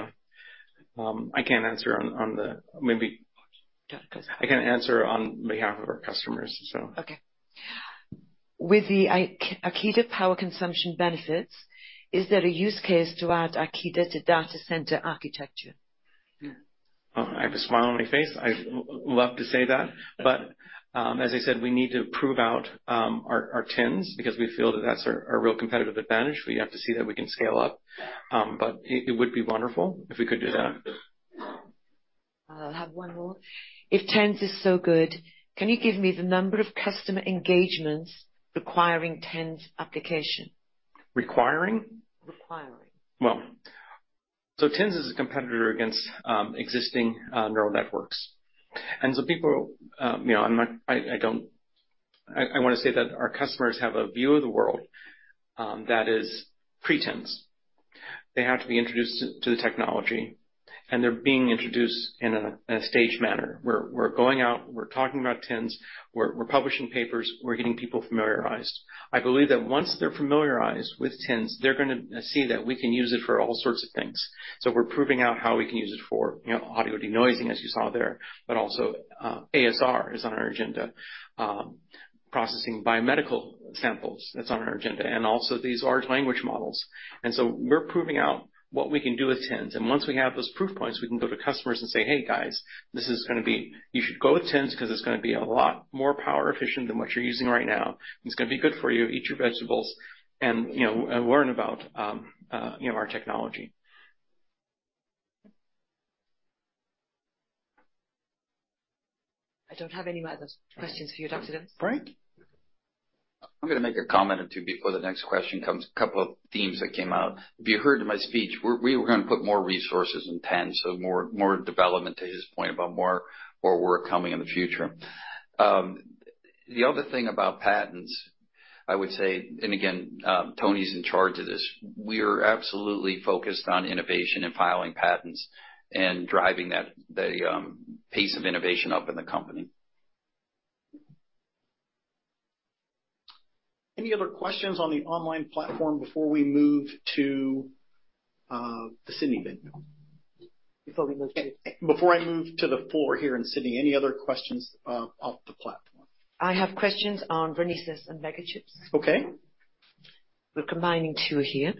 know, I can't answer on the, maybe-Yeah.I can't answer on behalf of our customers, so. Okay. With the Akida power consumption benefits, is there a use case to add Akida to data center architecture? Oh, I have a smile on my face. I'd love to say that, but, as I said, we need to prove out, our, our TENNs because we feel that that's our, our real competitive advantage. We have to see that we can scale up, but it, it would be wonderful if we could do that. I'll have one more. If TENNs is so good, can you give me the number of customer engagements requiring TENNs application? Requiring? Requiring. Well, so TENNs is a competitor against existing neural networks. And so people, you know, I'm not—I don't... I wanna say that our customers have a view of the world that is pre-TENNs. They have to be introduced to the technology, and they're being introduced in a staged manner. We're going out, we're talking about TENNs, we're publishing papers, we're getting people familiarized. I believe that once they're familiarized with TENNs, they're gonna see that we can use it for all sorts of things. So we're proving out how we can use it for, you know, audio denoising, as you saw there, but also ASR is on our agenda, processing biomedical samples, that's on our agenda, and also these large language models. We're proving out what we can do with TENNs, and once we have those proof points, we can go to customers and say, "Hey, guys, this is gonna be. You should go with TENNs because it's gonna be a lot more power efficient than what you're using right now. It's gonna be good for you. Eat your vegetables and, you know, learn about, you know, our technology. I don't have any other questions for you, Dr. Lewis. Great. ... I'm gonna make a comment or two before the next question comes. A couple of themes that came out. If you heard in my speech, we're, we were gonna put more resources in patents, so more, more development to his point about more, more work coming in the future. The other thing about patents, I would say, and again, Tony's in charge of this, we're absolutely focused on innovation and filing patents and driving that, the pace of innovation up in the company. Any other questions on the online platform before we move to the Sydney venue? Before I move to the floor here in Sydney, any other questions off the platform? I have questions on Renesas and MegaChips. Okay. We're combining two here.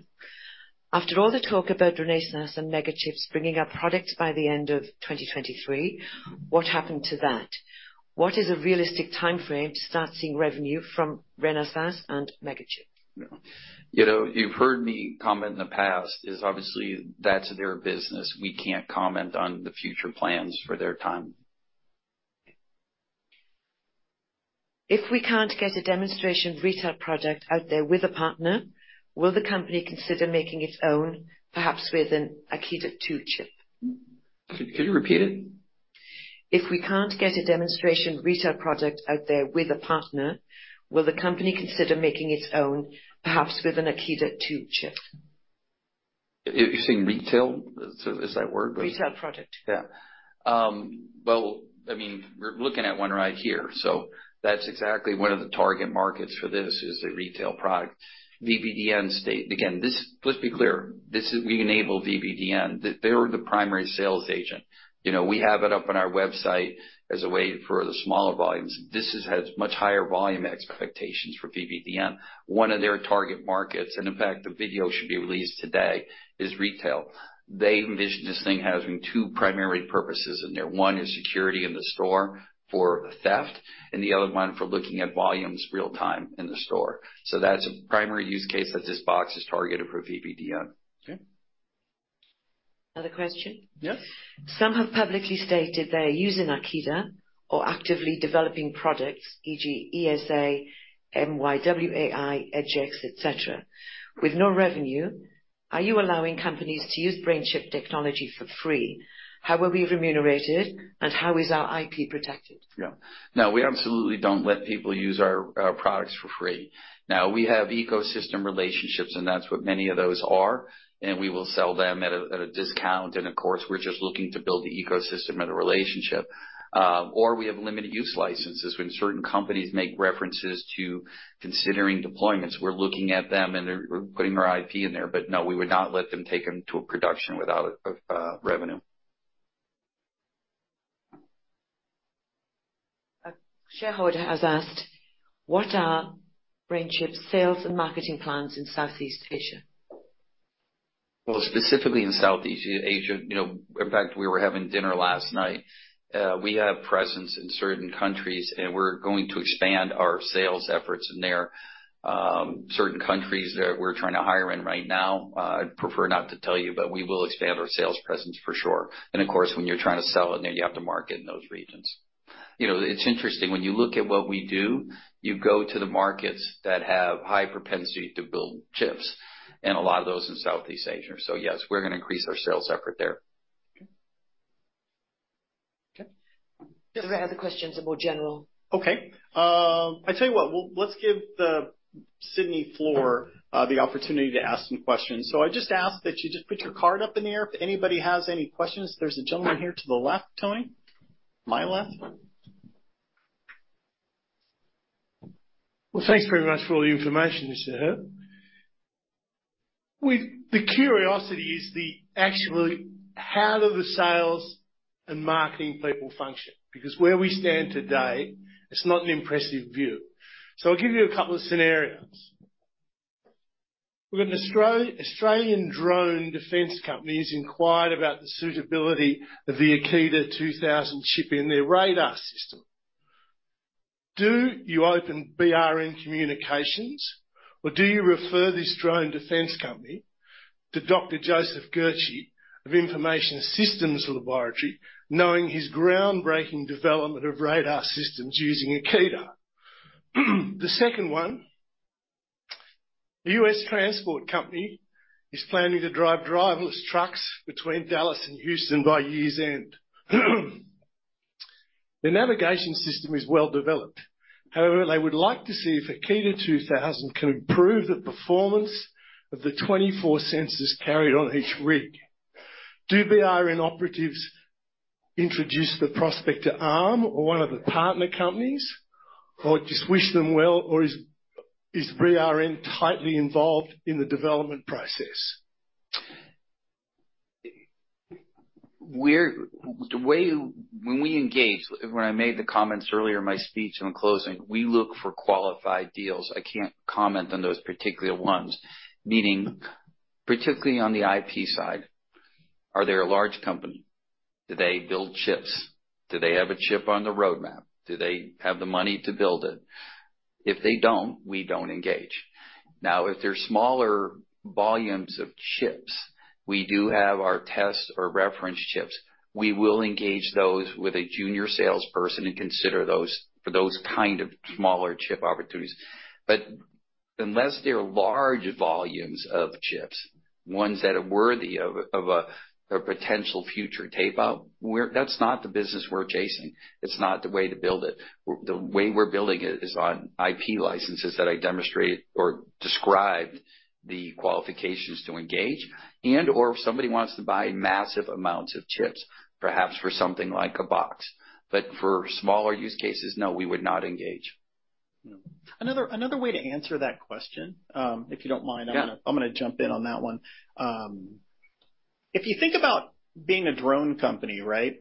After all the talk about Renesas and MegaChips bringing our products by the end of 2023, what happened to that? What is a realistic timeframe to start seeing revenue from Renesas and MegaChips? You know, you've heard me comment in the past. Is obviously that's their business. We can't comment on the future plans for their time. If we can't get a demonstration retail product out there with a partner, will the company consider making its own, perhaps with an Akida 2 chip? Could you repeat it? If we can't get a demonstration retail product out there with a partner, will the company consider making its own, perhaps with an Akida 2 chip? You're saying retail? Is that word right? Retail product. Yeah. Well, I mean, we're looking at one right here, so that's exactly one of the target markets for this, is a retail product. VVDN state. Again, this, let's be clear, this is, we enable VVDN. They're the primary sales agent. You know, we have it up on our website as a way for the smaller volumes. This has much higher volume expectations for VVDN. One of their target markets, and in fact, the video should be released today, is retail. They envision this thing having two primary purposes in there. One is security in the store for theft, and the other one for looking at volumes real-time in the store. So that's a primary use case that this box is targeted for VVDN. Okay. Another question. Yes. Some have publicly stated they are using Akida or actively developing products, e.g. ESA, MyWAI, EdgeX, et cetera. With no revenue, are you allowing companies to use BrainChip technology for free? How are we remunerated, and how is our IP protected? Yeah. No, we absolutely don't let people use our products for free. Now, we have ecosystem relationships, and that's what many of those are, and we will sell them at a discount, and of course, we're just looking to build the ecosystem and the relationship. Or we have limited use licenses. When certain companies make references to considering deployments, we're looking at them, and they're—we're putting our IP in there, but no, we would not let them take them to a production without revenue. A shareholder has asked: What are BrainChip's sales and marketing plans in Southeast Asia? Well, specifically in Southeast Asia, you know, in fact, we were having dinner last night. We have presence in certain countries, and we're going to expand our sales efforts in there. Certain countries that we're trying to hire in right now, I'd prefer not to tell you, but we will expand our sales presence for sure. And of course, when you're trying to sell in there, you have to market in those regions. You know, it's interesting, when you look at what we do, you go to the markets that have high propensity to build chips, and a lot of those in Southeast Asia. So yes, we're gonna increase our sales effort there. Okay. The other questions are more general. Okay, I tell you what, let's give the Sydney floor the opportunity to ask some questions. So I just ask that you just put your card up in the air if anybody has any questions. There's a gentleman here to the left, Tony. My left. Well, thanks very much for all the information, Mr. Hehir. The curiosity is actually how do the sales and marketing people function? Because where we stand today, it's not an impressive view. So I'll give you a couple of scenarios. We've got an Australian drone defense company who's inquired about the suitability of the Akida 2000 chip in their radar system. Do you open BRN Communications, or do you refer this drone defense company to Dr. Joseph Guerci of Information Systems Laboratories, knowing his groundbreaking development of radar systems using Akida? The second one, a US transport company is planning to drive driverless trucks between Dallas and Houston by year's end. The navigation system is well-developed. However, they would like to see if Akida 2000 can improve the performance of the 24 sensors carried on each rig. Do BRN operatives introduce the prospect to Arm or one of the partner companies, or just wish them well, or is BRN tightly involved in the development process? The way when we engage, when I made the comments earlier in my speech on closing, we look for qualified deals. I can't comment on those particular ones, meaning particularly on the IP side, are they a large company? Do they build chips? Do they have a chip on the roadmap? Do they have the money to build it? If they don't, we don't engage. Now, if they're smaller volumes of chips, we do have our test or reference chips. We will engage those with a junior salesperson and consider those for those kind of smaller chip opportunities. But unless they're large volumes of chips, ones that are worthy of a potential future tape-out, that's not the business we're chasing. It's not the way to build it. the way we're building it is on IP licenses that I demonstrated or described the qualifications to engage, and/or if somebody wants to buy massive amounts of chips, perhaps for something like a box. But for smaller use cases, no, we would not engage. Another way to answer that question, if you don't mind- Yeah. I'm gonna, I'm gonna jump in on that one. If you think about being a drone company, right?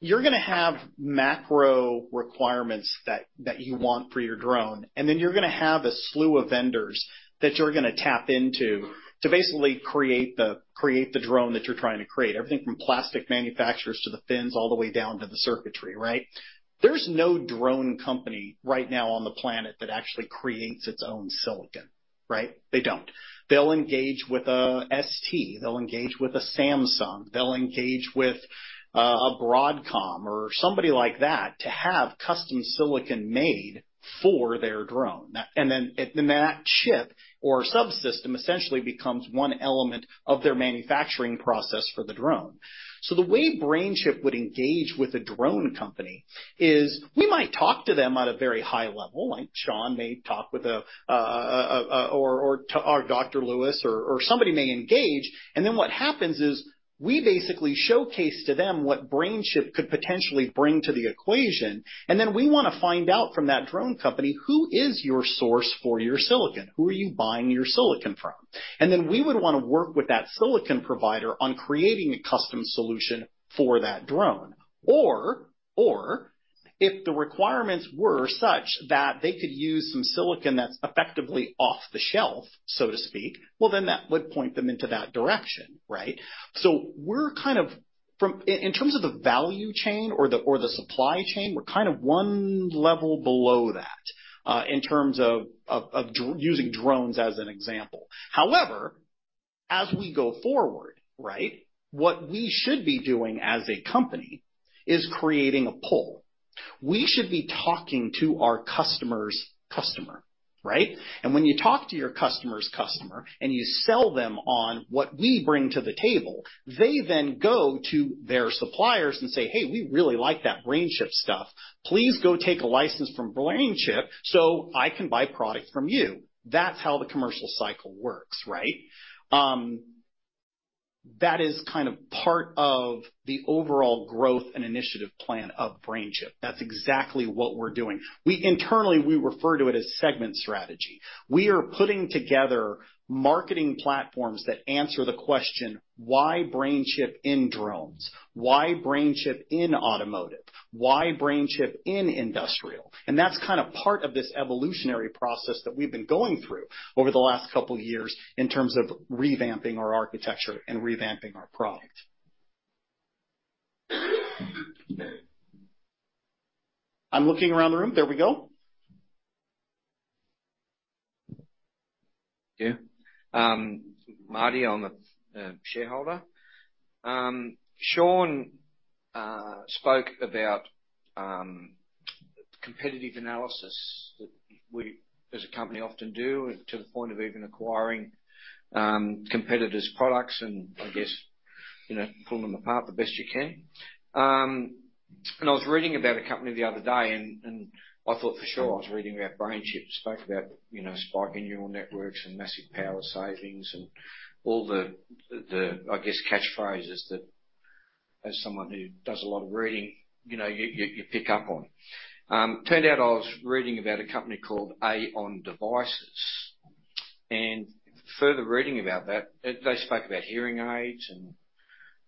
You're gonna have macro requirements that you want for your drone, and then you're gonna have a slew of vendors that you're gonna tap into to basically create the drone that you're trying to create. Everything from plastic manufacturers to the fins, all the way down to the circuitry, right? There's no drone company right now on the planet that actually creates its own silicon, right? They don't. They'll engage with a ST, they'll engage with a Samsung, they'll engage with a Broadcom or somebody like that to have custom silicon made for their drone. And then that chip or subsystem essentially becomes one element of their manufacturing process for the drone. So the way BrainChip would engage with a drone company is, we might talk to them at a very high level, like Sean may talk with, or to Dr. Lewis or somebody may engage, and then what happens is, we basically showcase to them what BrainChip could potentially bring to the equation, and then we wanna find out from that drone company, "Who is your source for your silicon? Who are you buying your silicon from?" And then we would wanna work with that silicon provider on creating a custom solution for that drone. Or if the requirements were such that they could use some silicon that's effectively off the shelf, so to speak, well, then that would point them into that direction, right? So we're kind of in terms of the value chain or the supply chain, we're kind of one level below that, in terms of using drones as an example. However, as we go forward, right, what we should be doing as a company is creating a pull. We should be talking to our customer's customer, right? And when you talk to your customer's customer, and you sell them on what we bring to the table, they then go to their suppliers and say, "Hey, we really like that BrainChip stuff. Please go take a license from BrainChip, so I can buy product from you." That's how the commercial cycle works, right? That is kind of part of the overall growth and initiative plan of BrainChip. That's exactly what we're doing. We internally, we refer to it as segment strategy. We are putting together marketing platforms that answer the question: Why BrainChip in drones? Why BrainChip in automotive? Why BrainChip in industrial? And that's kind of part of this evolutionary process that we've been going through over the last couple of years in terms of revamping our architecture and revamping our product. I'm looking around the room. There we go. Yeah. Marty, I'm a shareholder. Sean spoke about competitive analysis that we, as a company, often do, to the point of even acquiring competitors' products, and I guess, you know, pull them apart the best you can. I was reading about a company the other day, and I thought, for sure, I was reading about BrainChip. Spoke about, you know, spiking neural networks and massive power savings and all the catchphrases that as someone who does a lot of reading, you know, you pick up on. Turned out I was reading about a company called AONDevices, and further reading about that, they spoke about hearing aids and,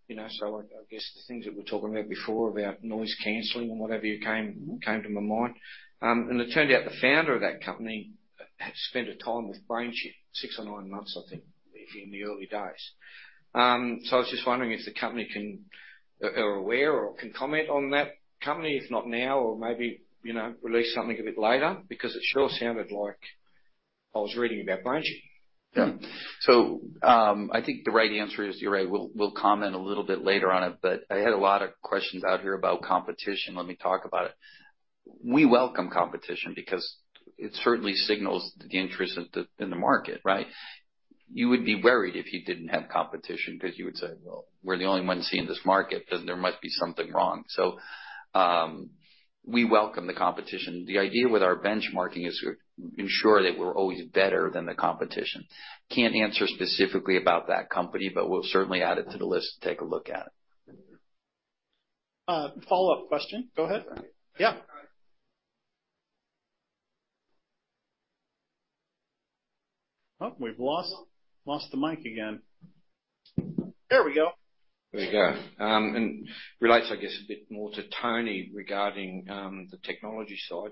you know, so I guess the things that we were talking about before, about noise canceling and whatever, you came to my mind. And it turned out the founder of that company had spent a time with BrainChip, six or nine months, I think, in the early days. So I was just wondering if the company are aware or can comment on that company, if not now, or maybe, you know, release something a bit later, because it sure sounded like I was reading about BrainChip. Yeah. So, I think the right answer is, you're right, we'll, we'll comment a little bit later on it, but I had a lot of questions out here about competition. Let me talk about it. We welcome competition because it certainly signals the interest in the, in the market, right? You would be worried if you didn't have competition because you would say, "Well, we're the only ones seeing this market, then there must be something wrong." So, we welcome the competition. The idea with our benchmarking is to ensure that we're always better than the competition. Can't answer specifically about that company, but we'll certainly add it to the list to take a look at it. Follow-up question. Go ahead. Yeah. Oh, we've lost the mic again. There we go. There we go. And relates, I guess, a bit more to Tony regarding the technology side.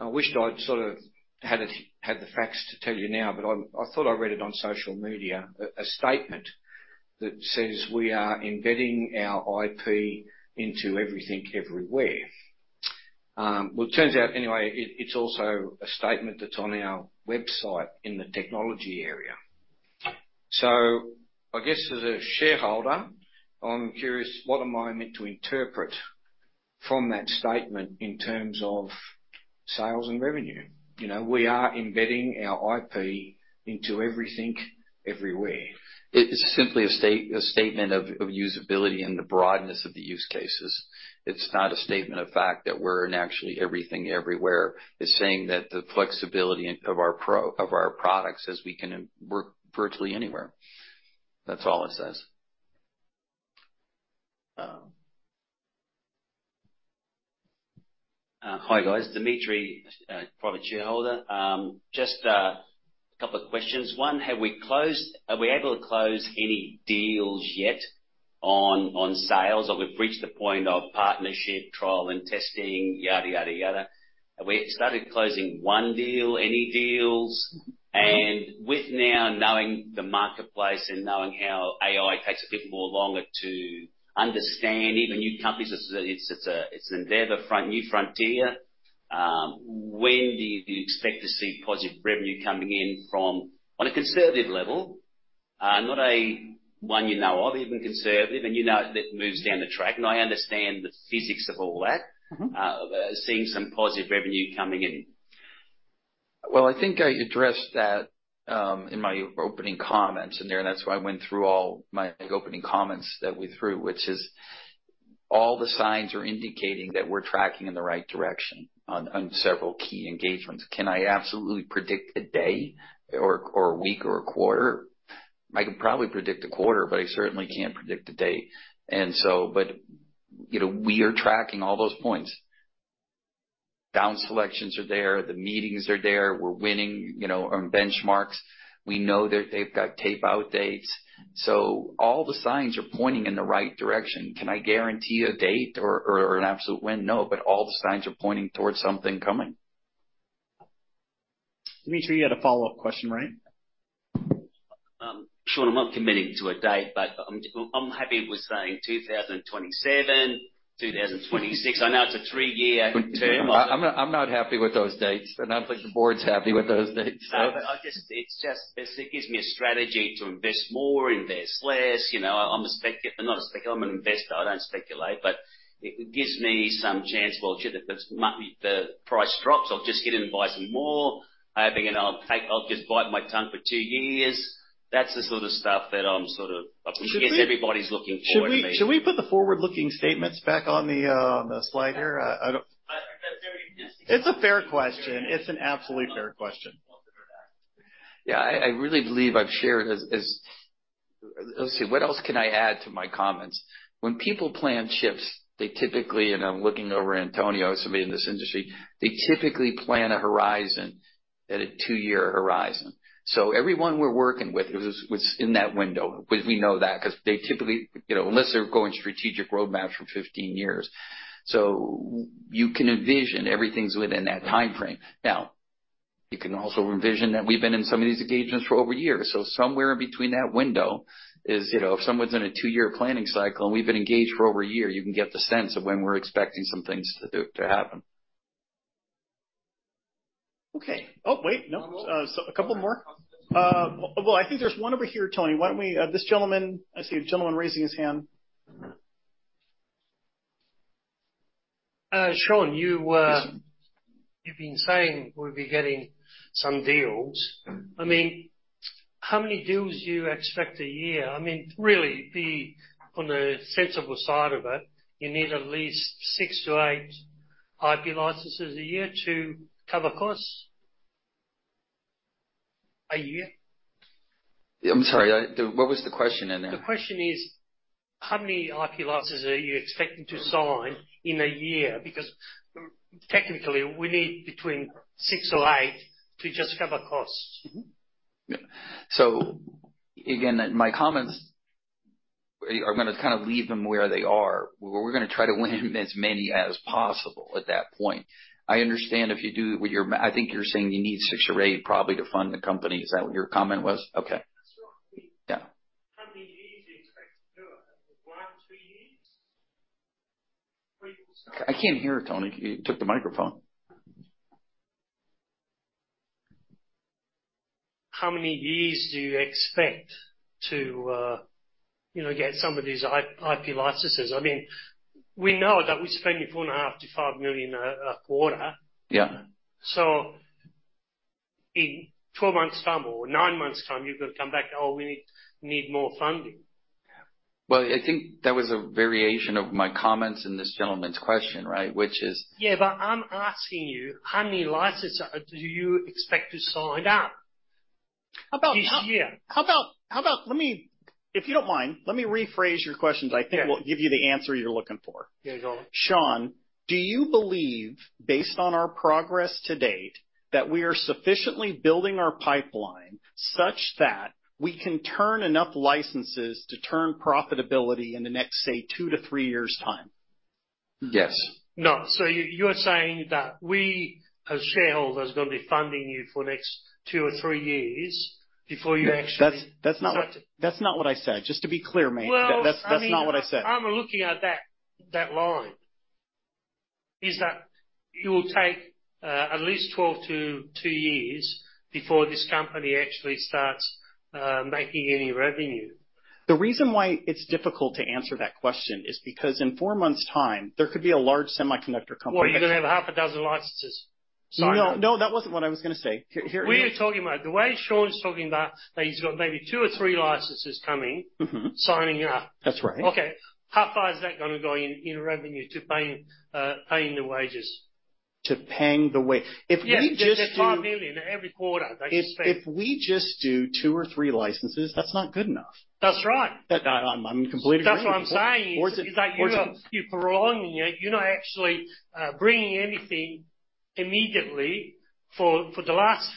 I wished I'd sort of had the facts to tell you now, but I thought I read it on social media, a statement that says, "We are embedding our IP into everything, everywhere." Well, it turns out, anyway, it's also a statement that's on your website in the technology area.... So I guess as a shareholder, I'm curious, what am I meant to interpret from that statement in terms of sales and revenue? You know, we are embedding our IP into everything, everywhere. It is simply a statement of usability and the broadness of the use cases. It's not a statement of fact that we're in actually everything, everywhere. It's saying that the flexibility of our products is we can work virtually anywhere. That's all it says. Um.Hi, guys. Dimitri, private shareholder. Just a couple of questions. One, have we closed-- are we able to close any deals yet on, on sales? Or we've reached the point of partnership, trial, and testing, yada, yada, yada. Have we started closing one deal, any deals? And with now knowing the marketplace and knowing how AI takes a bit more longer to understand, even new companies, it's a, it's an endeavor front, new frontier, when do you expect to see positive revenue coming in from, on a conservative level, not a one you know of, even conservative, and you know, that moves down the track, and I understand the physics of all that. Seeing some positive revenue coming in? Well, I think I addressed that in my opening comments in there, and that's why I went through all my opening comments that we threw, which is all the signs are indicating that we're tracking in the right direction on several key engagements. Can I absolutely predict a day or a week or a quarter? I can probably predict a quarter, but I certainly can't predict a date. And so but, you know, we are tracking all those points. Down selections are there, the meetings are there. We're winning, you know, on benchmarks. We know that they've got tape-out dates, so all the signs are pointing in the right direction. Can I guarantee a date or an absolute when? No, but all the signs are pointing towards something coming. Dimitri, you had a follow-up question, right? Sean, I'm not committing to a date, but I'm happy with saying 2027, 2026. I know it's a three-year term. I'm not, I'm not happy with those dates, and I don't think the board's happy with those dates. No, but I just—it's just, it gives me a strategy to invest more, invest less. You know, I'm—not a speculator, I'm an investor, I don't speculate, but it gives me some chance. Well, if the—the price drops, I'll just get in and buy some more, hoping, and I'll take—I'll just bite my tongue for two years. That's the sort of stuff that I'm sort of- Should we- I guess everybody's looking for at least. Should we put the forward-looking statements back on the slide here? I don't- That's very interesting. It's a fair question. It's an absolutely fair question. Yeah, I really believe I've shared as... Let's see, what else can I add to my comments? When people plan chips, they typically, and I'm looking over Antonio, somebody in this industry, they typically plan a horizon at a two-year horizon. So everyone we're working with was in that window. We know that, 'cause they typically, you know, unless they're going strategic roadmaps for 15 years. So you can envision everything's within that timeframe. Now, you can also envision that we've been in some of these engagements for over a year, so somewhere in between that window is, you know, if someone's in a two-year planning cycle, and we've been engaged for over a year, you can get the sense of when we're expecting some things to happen. Okay. Oh, wait. No? So a couple more. Well, I think there's one over here, Tony. Why don't we, this gentleman, I see a gentleman raising his hand. Sean, you've been saying we'll be getting some deals. I mean, how many deals do you expect a year? I mean, really, be on the sensible side of it. You need at least 6-8 IP licenses a year to cover costs, a year. I'm sorry, what was the question in there? The question is, how many IP licenses are you expecting to sign in a year? Because technically, we need between 6 or 8 to just cover costs. Mm-hmm. Yeah. So again, my comments are gonna kind of leave them where they are. We're gonna try to win as many as possible at that point. I understand if you do... With your, I think you're saying you need 6 or 8 probably to fund the company. Is that what your comment was? Okay. That's right. Yeah.How many years do you expect to do it? 1, 2 years? I can't hear you, Tony. You took the microphone. How many years do you expect to, you know, get some of these IP licenses? I mean, we know that we're spending $4.5 million-$5 million a quarter. Yeah. In 12 months' time or 9 months' time, you're gonna come back: "Oh, we need, need more funding. Well, I think that was a variation of my comments and this gentleman's question, right? Which is- Yeah, but I'm asking you, how many licenses do you expect to sign up? How about- -this year? How about... If you don't mind, let me rephrase your questions. Yeah. I think we'll give you the answer you're looking for. Yeah. Go on. Sean, do you believe, based on our progress to date, that we are sufficiently building our pipeline such that we can turn enough licenses to turn profitability in the next, say, two to three years' time? Yes. No. So you are saying that we, as shareholders, are gonna be funding you for the next two or three years before you actually- That's not what I said. Just to be clear, mate. Well- That's not what I said. I'm looking at that, that line... is that it will take at least 12 to 2 years before this company actually starts making any revenue? The reason why it's difficult to answer that question is because in four months' time, there could be a large semiconductor company- Well, you're gonna have 6 licenses signed up. No, no, that wasn't what I was gonna say. Here, here- What you're talking about, the way Sean's talking about that, he's got maybe two or three licenses coming-Mm-hmm.- signing up. That's right. Okay, how far is that gonna go in revenue to paying, paying the wages? To paying the wages? If we just do- Yeah, they're $5 million every quarter, they spend. If we just do two or three licenses, that's not good enough. That's right. That, I'm in complete agreement. That's what I'm saying- Or is it? You're prolonging it. You're not actually bringing anything immediately. For the last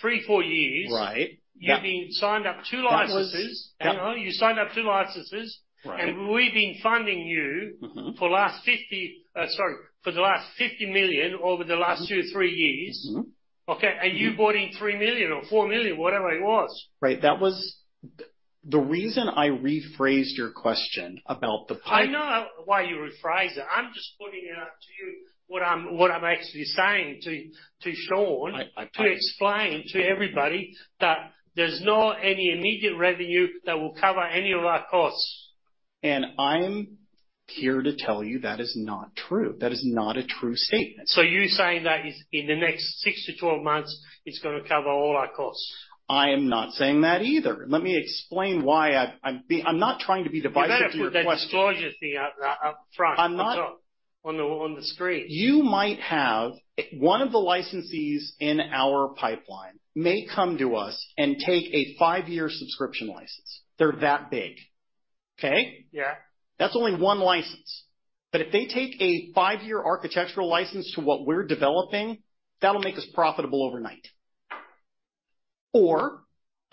three, four years- Right. Yep. You've been signed up two licenses. That was... Yep. You signed up 2 licenses. Right. And we've been funding you-Mm-hmm- for the last $50 million over the last 2, 3 years. Mm-hmm.Okay, and you brought in $3 million or $4 million, whatever it was. Right. That was the reason I rephrased your question about the pipe- I know why you rephrase it. I'm just putting it out to you, what I'm actually saying to Sean- I, I- to explain to everybody that there's not any immediate revenue that will cover any of our costs. I'm here to tell you that is not true. That is not a true statement. So you're saying that is, in the next 6-12 months, it's gonna cover all our costs? I am not saying that either. Let me explain why I, I'm being... I'm not trying to be divisive to your question. You better put that disclosure thing out, up front. I'm not- On the screen. You might have... One of the licensees in our pipeline may come to us and take a five-year subscription license. They're that big. Okay? Yeah. That's only one license, but if they take a five-year architectural license to what we're developing, that'll make us profitable overnight. Or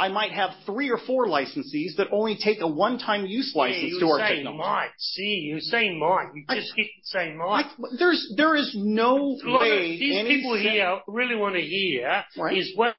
I might have three or four licensees that only take a one-time use license to our technology. Yeah, you say might. See, you say might. You just keep saying might. There is no way any- These people here really want to hear- Right Is when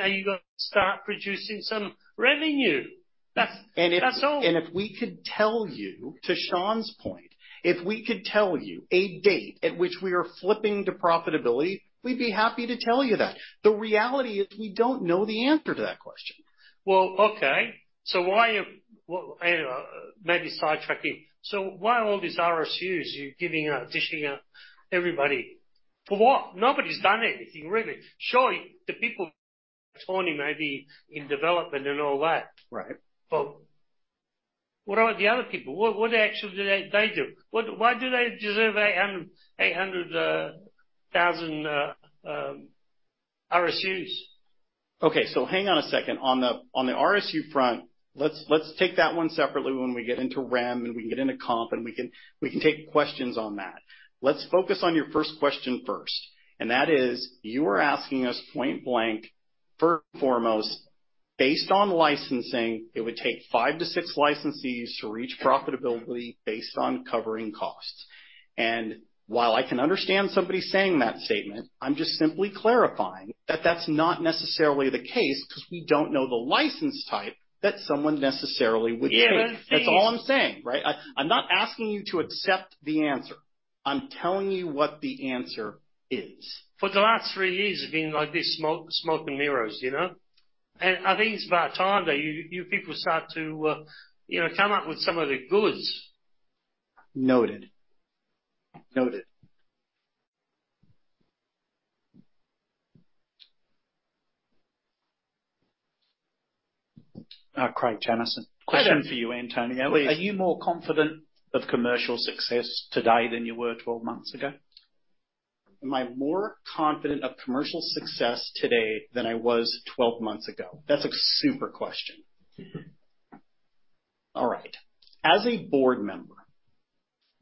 are you going to start producing some revenue? That's, that's all. If we could tell you, to Sean's point, if we could tell you a date at which we are flipping to profitability, we'd be happy to tell you that. The reality is, we don't know the answer to that question. Well, okay, so why are you... Well, anyway, maybe sidetracking. So why all these RSUs you're giving out, dishing out everybody? For what? Nobody's done anything, really. Surely, the people joining maybe in development and all that. Right. But what about the other people? What actually do they do? What, why do they deserve 800,000 RSUs? Okay, so hang on a second. On the, on the RSU front, let's, let's take that one separately when we get into REM and we can get into comp and we can, we can take questions on that. Let's focus on your first question first, and that is, you were asking us point-blank, first and foremost, based on licensing, it would take 5-6 licensees to reach profitability based on covering costs. And while I can understand somebody saying that statement, I'm just simply clarifying that that's not necessarily the case, because we don't know the license type that someone necessarily would take. Yeah, but- That's all I'm saying, right? I, I'm not asking you to accept the answer. I'm telling you what the answer is. For the last three years, it's been like this, smoke, smoke and mirrors, you know? And I think it's about time that you, you people start to, you know, come up with some of the goods. Noted. Noted. Craig Jennison. Question for you, Antonio. Please. Are you more confident of commercial success today than you were twelve months ago? Am I more confident of commercial success today than I was 12 months ago? That's a super question. Mm-hmm.All right. As a board member,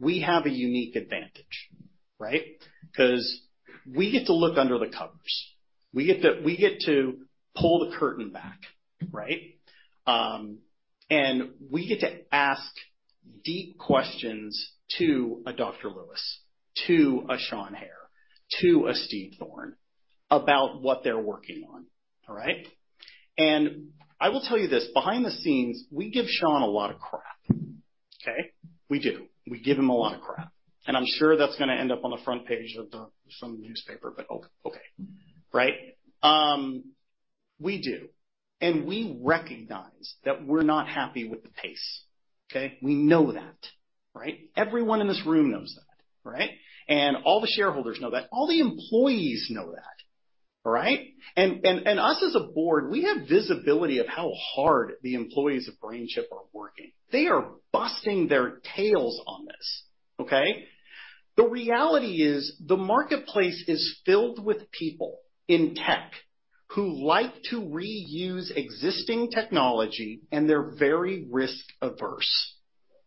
we have a unique advantage, right? Because we get to look under the covers. We get to, we get to pull the curtain back, right? And we get to ask deep questions to a Dr. Lewis, to a Sean Hehir, to a Steve Thorne, about what they're working on. All right? And I will tell you this: behind the scenes, we give Sean a lot of crap, okay? We do. We give him a lot of crap, and I'm sure that's gonna end up on the front page of some newspaper, but okay, right? We do, and we recognize that we're not happy with the pace. Okay? We know that, right? Everyone in this room knows that, right? And all the shareholders know that. All the employees know that, all right? Us as a board, we have visibility of how hard the employees of BrainChip are working. They are busting their tails on this, okay? The reality is, the marketplace is filled with people in tech who like to reuse existing technology, and they're very risk-averse,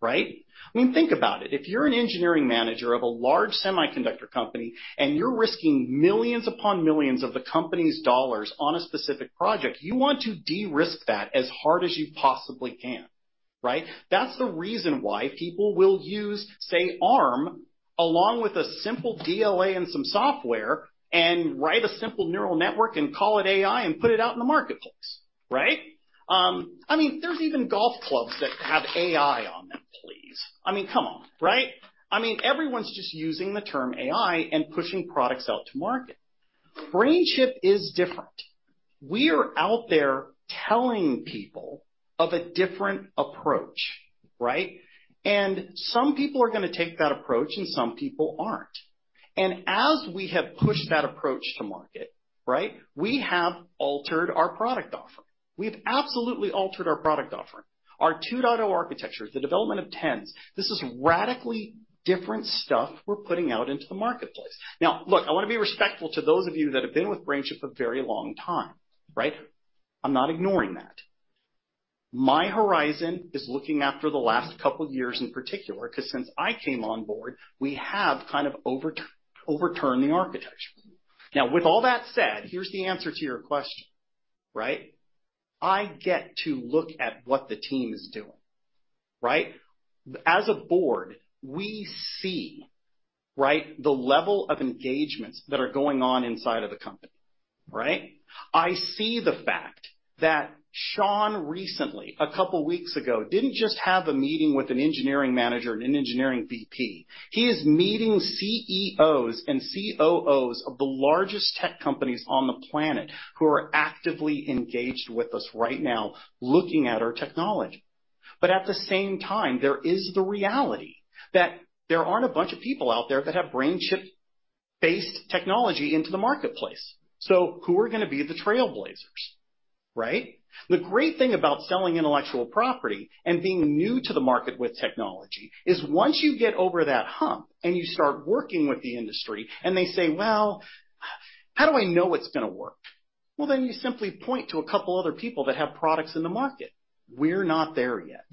right? I mean, think about it. If you're an engineering manager of a large semiconductor company, and you're risking millions upon millions of the company's dollars on a specific project, you want to de-risk that as hard as you possibly can, right? That's the reason why people will use, say, ARM, along with a simple DLA and some software, and write a simple neural network and call it AI and put it out in the marketplace. Right? I mean, there's even golf clubs that have AI on them. Please! I mean, come on, right? I mean, everyone's just using the term AI and pushing products out to market. BrainChip is different. We are out there telling people of a different approach, right? And some people are gonna take that approach, and some people aren't. And as we have pushed that approach to market, right, we have altered our product offer. We've absolutely altered our product offering. Our 2.0 architecture, the development of TENNs, this is radically different stuff we're putting out into the marketplace. Now, look, I wanna be respectful to those of you that have been with BrainChip a very long time, right? I'm not ignoring that. My horizon is looking after the last couple of years, in particular, 'cause since I came on board, we have kind of overturned the architecture. Now, with all that said, here's the answer to your question, right? I get to look at what the team is doing, right? As a board, we see, right, the level of engagements that are going on inside of the company, right? I see the fact that Sean recently, a couple of weeks ago, didn't just have a meeting with an engineering manager and an engineering VP. He is meeting CEOs and COOs of the largest tech companies on the planet who are actively engaged with us right now, looking at our technology. But at the same time, there is the reality that there aren't a bunch of people out there that have BrainChip-based technology into the marketplace. So who are gonna be the trailblazers, right? The great thing about selling intellectual property and being new to the market with technology is once you get over that hump and you start working with the industry and they say, "Well, how do I know it's gonna work?" Well, then you simply point to a couple of other people that have products in the market. We're not there yet.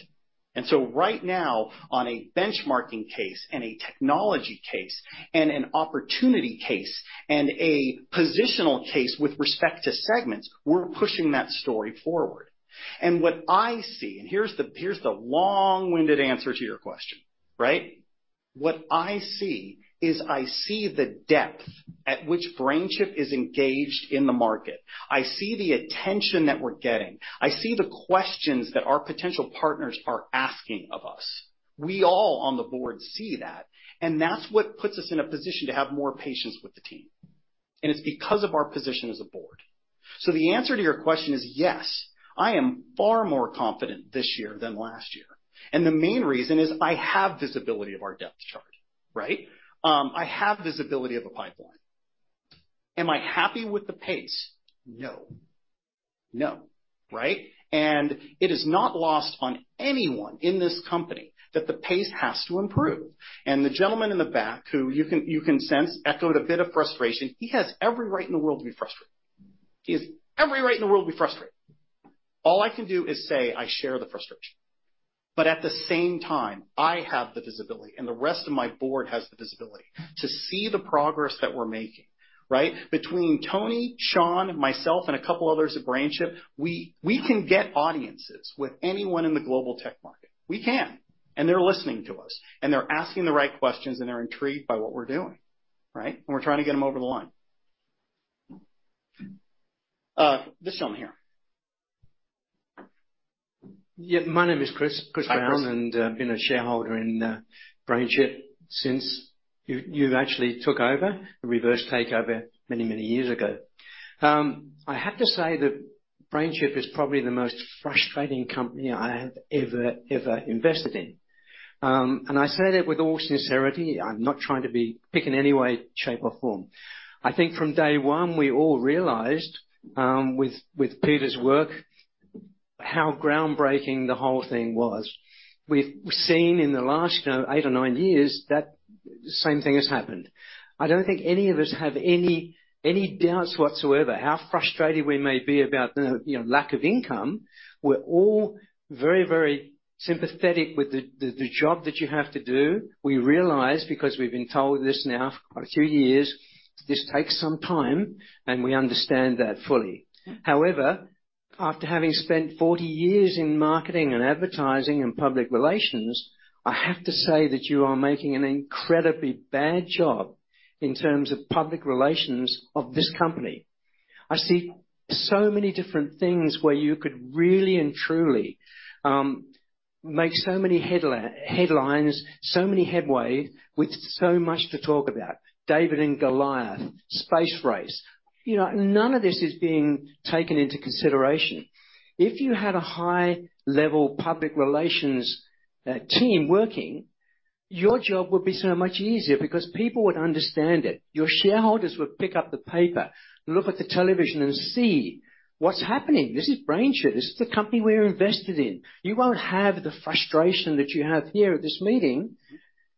And so right now, on a benchmarking case, and a technology case, and an opportunity case, and a positional case with respect to segments, we're pushing that story forward. And what I see, and here's the, here's the long-winded answer to your question, right? What I see is I see the depth at which BrainChip is engaged in the market. I see the attention that we're getting. I see the questions that our potential partners are asking of us. We all on the board see that, and that's what puts us in a position to have more patience with the team, and it's because of our position as a board. So the answer to your question is yes, I am far more confident this year than last year, and the main reason is I have visibility of our depth chart, right? I have visibility of a pipeline. Am I happy with the pace? No. No, right? And it is not lost on anyone in this company that the pace has to improve. And the gentleman in the back who you can, you can sense, echoed a bit of frustration, he has every right in the world to be frustrated. He has every right in the world to be frustrated. All I can do is say I share the frustration, but at the same time, I have the visibility, and the rest of my board has the visibility to see the progress that we're making, right? Between Tony, Sean, myself, and a couple of others at BrainChip, we can get audiences with anyone in the global tech market. We can, and they're listening to us, and they're asking the right questions, and they're intrigued by what we're doing, right? And we're trying to get them over the line. This gentleman here. Yeah, my name is Chris- Hi, Chris. Chris Brown, and I've been a shareholder in BrainChip since you, you actually took over, the reverse takeover many, many years ago. I have to say that BrainChip is probably the most frustrating company I have ever, ever invested in. And I say that with all sincerity. I'm not trying to be picky in any way, shape, or form. I think from day one, we all realized, with, with Peter's work, how groundbreaking the whole thing was. We've seen in the last, you know, 8 or 9 years, that the same thing has happened. I don't think any of us have any, any doubts whatsoever, how frustrated we may be about the, you know, lack of income. We're all very, very sympathetic with the, the, the job that you have to do. We realize, because we've been told this now for quite a few years, this takes some time, and we understand that fully. However, after having spent 40 years in marketing and advertising and public relations, I have to say that you are making an incredibly bad job in terms of public relations of this company. I see so many different things where you could really and truly make so many headlines, so many headway with so much to talk about. David and Goliath, space race. You know, none of this is being taken into consideration. If you had a high-level public relations team working, your job would be so much easier because people would understand it. Your shareholders would pick up the paper, look at the television and see what's happening. This is BrainChip. This is the company we're invested in. You won't have the frustration that you have here at this meeting,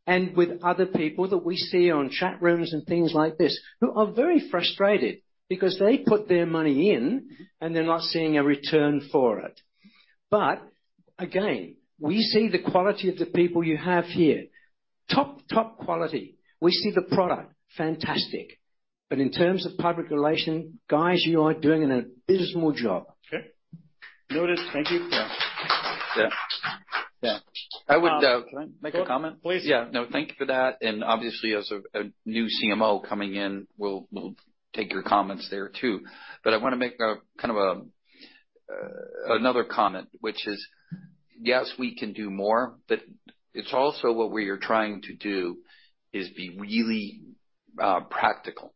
and with other people that we see on chat rooms and things like this, who are very frustrated because they put their money in, and they're not seeing a return for it. But again, we see the quality of the people you have here. Top, top quality. We see the product, fantastic. But in terms of public relations, guys, you are doing an abysmal job. Okay. Noted. Thank you. Yeah.... Yeah, I would, can I make a comment? Please. Yeah, no, thank you for that. And obviously, as a new CMO coming in, we'll take your comments there, too. But I wanna make kind of another comment, which is, yes, we can do more, but it's also what we are trying to do is be really practical.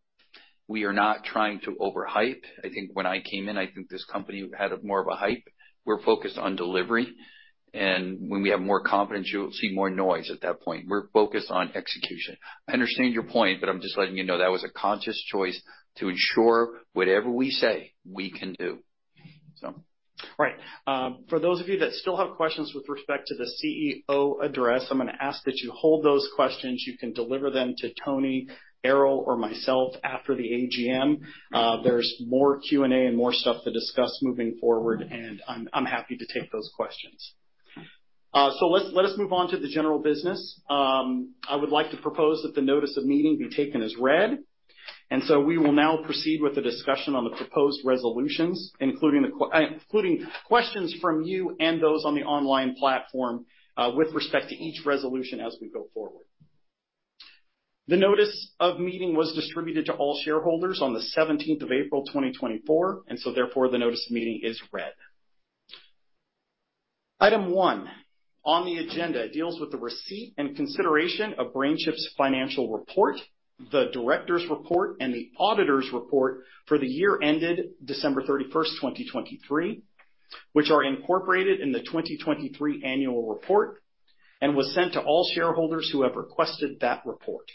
We are not trying to overhype. I think when I came in, I think this company had more of a hype. We're focused on delivery, and when we have more confidence, you'll see more noise at that point. We're focused on execution. I understand your point, but I'm just letting you know that was a conscious choice to ensure whatever we say, we can do, so. Right. For those of you that still have questions with respect to the CEO address, I'm gonna ask that you hold those questions. You can deliver them to Tony, Errol, or myself after the AGM. There's more Q&A and more stuff to discuss moving forward, and I'm happy to take those questions. So let us move on to the general business. I would like to propose that the notice of meeting be taken as read, and so we will now proceed with the discussion on the proposed Resolutions, including questions from you and those on the online platform, with respect to each Resolution as we go forward. The notice of meeting was distributed to all shareholders on the seventeenth of April, 2024, and so therefore, the notice of meeting is read. Item one on the agenda deals with the receipt and consideration of BrainChip's financial report, the director's report, and the auditor's report for the year ended December 31, 2023, which are incorporated in the 2023 annual report, and was sent to all shareholders who have requested that report.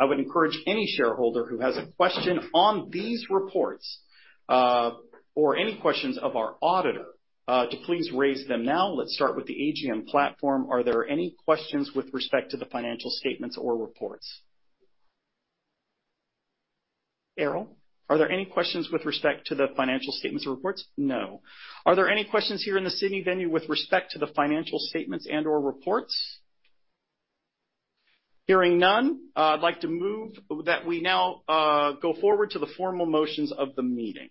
I would encourage any shareholder who has a question on these reports, or any questions of our auditor, to please raise them now. Let's start with the AGM platform. Are there any questions with respect to the financial statements or reports? Errol, are there any questions with respect to the financial statements or reports? No. Are there any questions here in the Sydney venue with respect to the financial statements and/or reports? Hearing none, I'd like to move that we now go forward to the formal motions of the meeting.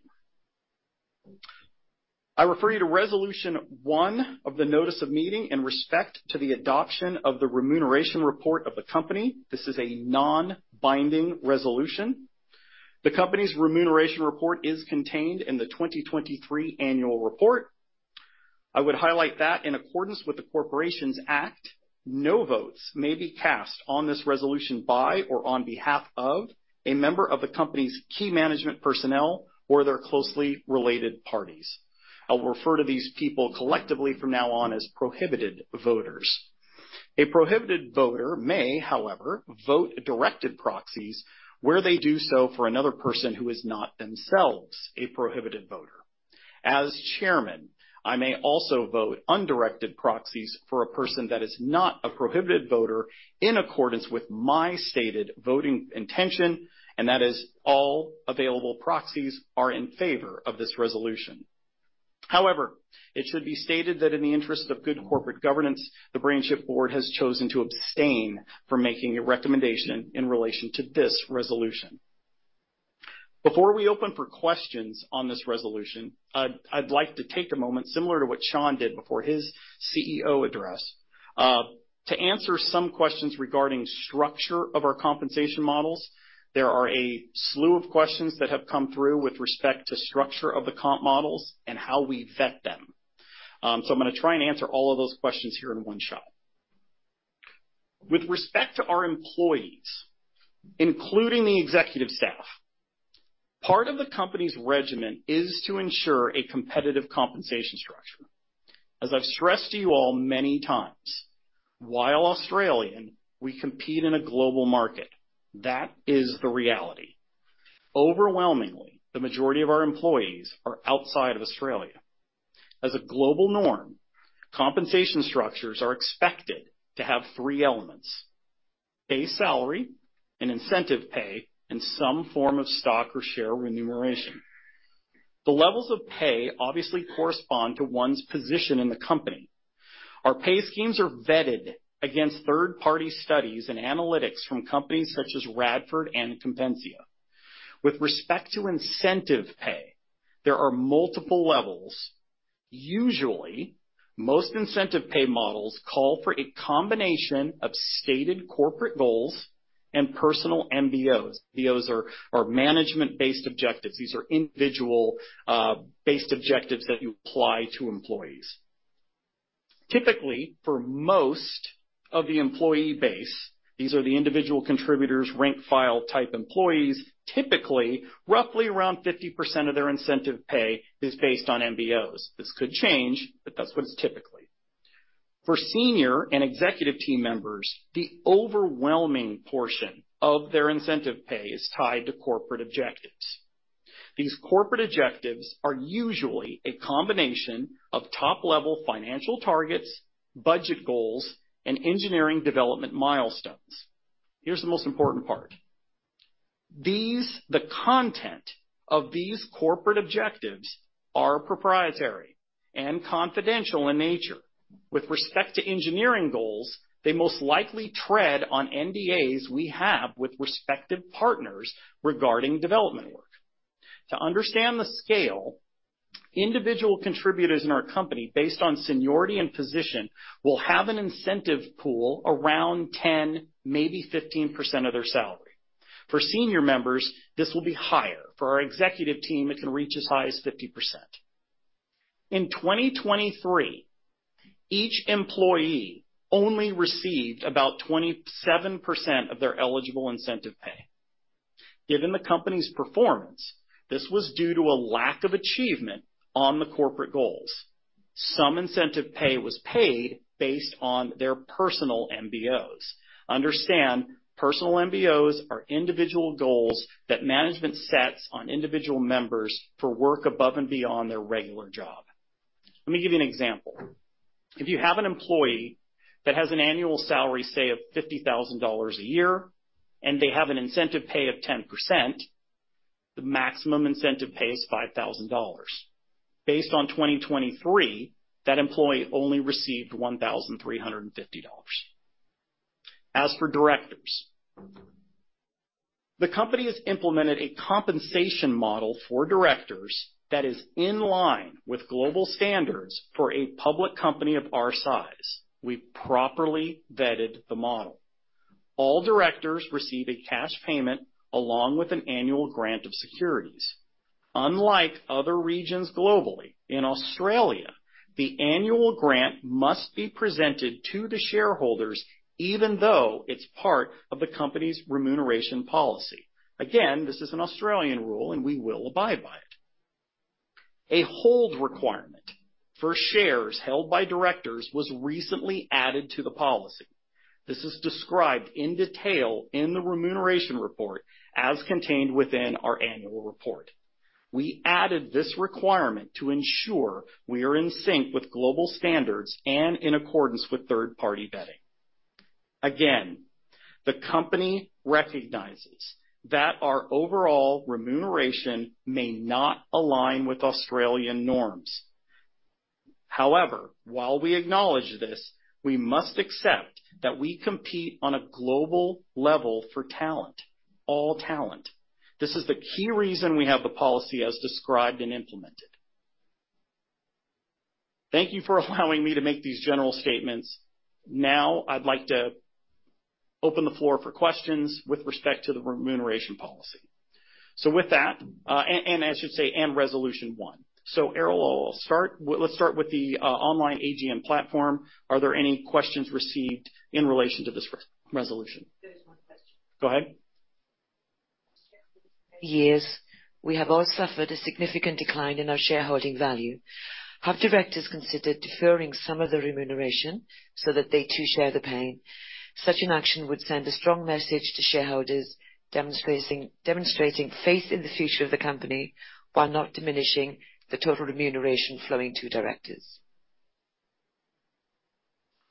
I refer you to Resolution one of the notice of meeting with respect to the adoption of the Remuneration Report of the company. This is a non-binding Resolution. The company's Remuneration Report is contained in the 2023 annual report. I would highlight that in accordance with the Corporations Act, no votes may be cast on this Resolution by or on behalf of a member of the company's key management personnel or their closely related parties. I'll refer to these people collectively from now on as prohibited voters. A prohibited voter may, however, vote directed proxies, where they do so for another person who is not themselves a prohibited voter. As chairman, I may also vote undirected proxies for a person that is not a prohibited voter, in accordance with my stated voting intention, and that is all available proxies are in favor of this Resolution. However, it should be stated that in the interest of good corporate governance, the BrainChip Board has chosen to abstain from making a recommendation in relation to this Resolution. Before we open for questions on this Resolution, I'd like to take a moment, similar to what Sean did before his CEO address, to answer some questions regarding structure of our compensation models. There are a slew of questions that have come through with respect to structure of the comp models and how we vet them. So I'm gonna try and answer all of those questions here in one shot. With respect to our employees, including the executive staff, part of the company's regimen is to ensure a competitive compensation structure. As I've stressed to you all many times, while Australian, we compete in a global market. That is the reality. Overwhelmingly, the majority of our employees are outside of Australia. As a global norm, compensation structures are expected to have three elements: base salary and incentive pay, and some form of stock or share remuneration. The levels of pay obviously correspond to one's position in the company. Our pay schemes are vetted against third-party studies and analytics from companies such as Radford and Compensia. With respect to incentive pay, there are multiple levels. Usually, most incentive pay models call for a combination of stated corporate goals and personal MBOs. MBOs are management-based objectives. These are individual based objectives that you apply to employees. Typically, for most of the employee base, these are the individual contributors, rank-and-file type employees. Typically, roughly around 50% of their incentive pay is based on MBOs. This could change, but that's what it's typically. For senior and executive team members, the overwhelming portion of their incentive pay is tied to corporate objectives. These corporate objectives are usually a combination of top-level financial targets, budget goals, and engineering development milestones. Here's the most important part: the content of these corporate objectives are proprietary and confidential in nature. With respect to engineering goals, they most likely tread on NDAs we have with respective partners regarding development work. To understand the scale, individual contributors in our company, based on seniority and position, will have an incentive pool around 10, maybe 15% of their salary. For senior members, this will be higher. For our executive team, it can reach as high as 50%. In 2023, each employee only received about 27% of their eligible incentive pay. Given the company's performance, this was due to a lack of achievement on the corporate goals. Some incentive pay was paid based on their personal MBOs. Understand, personal MBOs are individual goals that management sets on individual members for work above and beyond their regular job. Let me give you an example. If you have an employee that has an annual salary, say, of $50,000 a year, and they have an incentive pay of 10%, the maximum incentive pay is $5,000. Based on 2023, that employee only received $1,350. As for directors, the company has implemented a compensation model for directors that is in line with global standards for a public company of our size. We properly vetted the model. All directors receive a cash payment along with an annual grant of securities. Unlike other regions globally, in Australia, the annual grant must be presented to the shareholders, even though it's part of the company's remuneration policy. Again, this is an Australian rule, and we will abide by it. A hold requirement for shares held by directors was recently added to the policy. This is described in detail in the remuneration report as contained within our annual report. We added this requirement to ensure we are in sync with global standards and in accordance with third-party vetting. Again, the company recognizes that our overall remuneration may not align with Australian norms. However, while we acknowledge this, we must accept that we compete on a global level for talent, all talent. This is the key reason we have the policy as described and implemented. Thank you for allowing me to make these general statements. Now, I'd like to open the floor for questions with respect to the remuneration policy. So with that, and I should say, and Resolution One. So Errol, I'll start. Let's start with the online AGM platform. Are there any questions received in relation to this Resolution? There is one question. Go ahead. Yes, we have all suffered a significant decline in our shareholding value. Have directors considered deferring some of the remuneration so that they too share the pain? Such an action would send a strong message to shareholders, demonstrating, demonstrating faith in the future of the company, while not diminishing the total remuneration flowing to directors.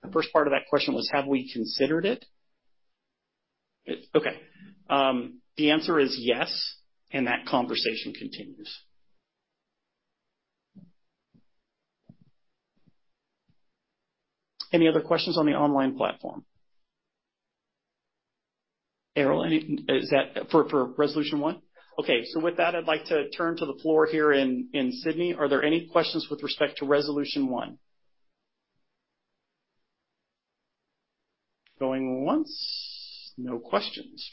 The first part of that question was, have we considered it? Okay. The answer is yes, and that conversation continues. Any other questions on the online platform? Errol, any? Is that for Resolution One? Okay. So with that, I'd like to turn to the floor here in Sydney. Are there any questions with respect to Resolution One? Going once. No questions.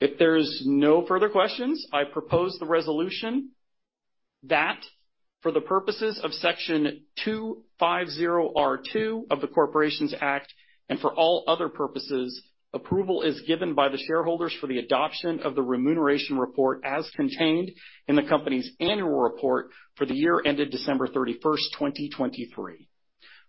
If there's no further questions, I propose the Resolution that for the purposes of Section 250R(2) of the Corporations Act, and for all other purposes, approval is given by the shareholders for the adoption of the remuneration report as contained in the company's annual report for the year ended December 31, 2023.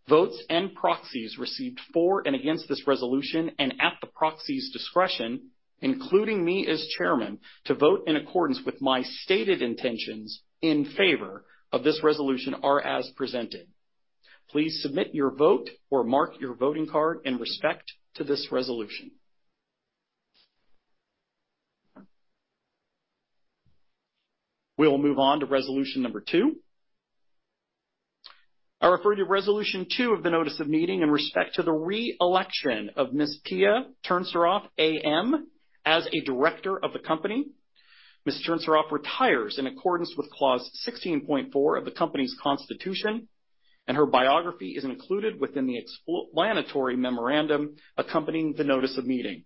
Votes and proxies received for and against this Resolution, and at the proxy's discretion, including me as chairman, to vote in accordance with my stated intentions in favor of this Resolution, are as presented. Please submit your vote or mark your voting card in respect to this Resolution. We will move on to Resolution number 2. I refer to Resolution 2 of the notice of meeting in respect to the re-election of Ms. Pia Turcinov, AM, as a director of the company. Ms. Turcinov retires in accordance with Clause 16.4 of the company's constitution, and her biography is included within the explanatory memorandum accompanying the notice of meeting.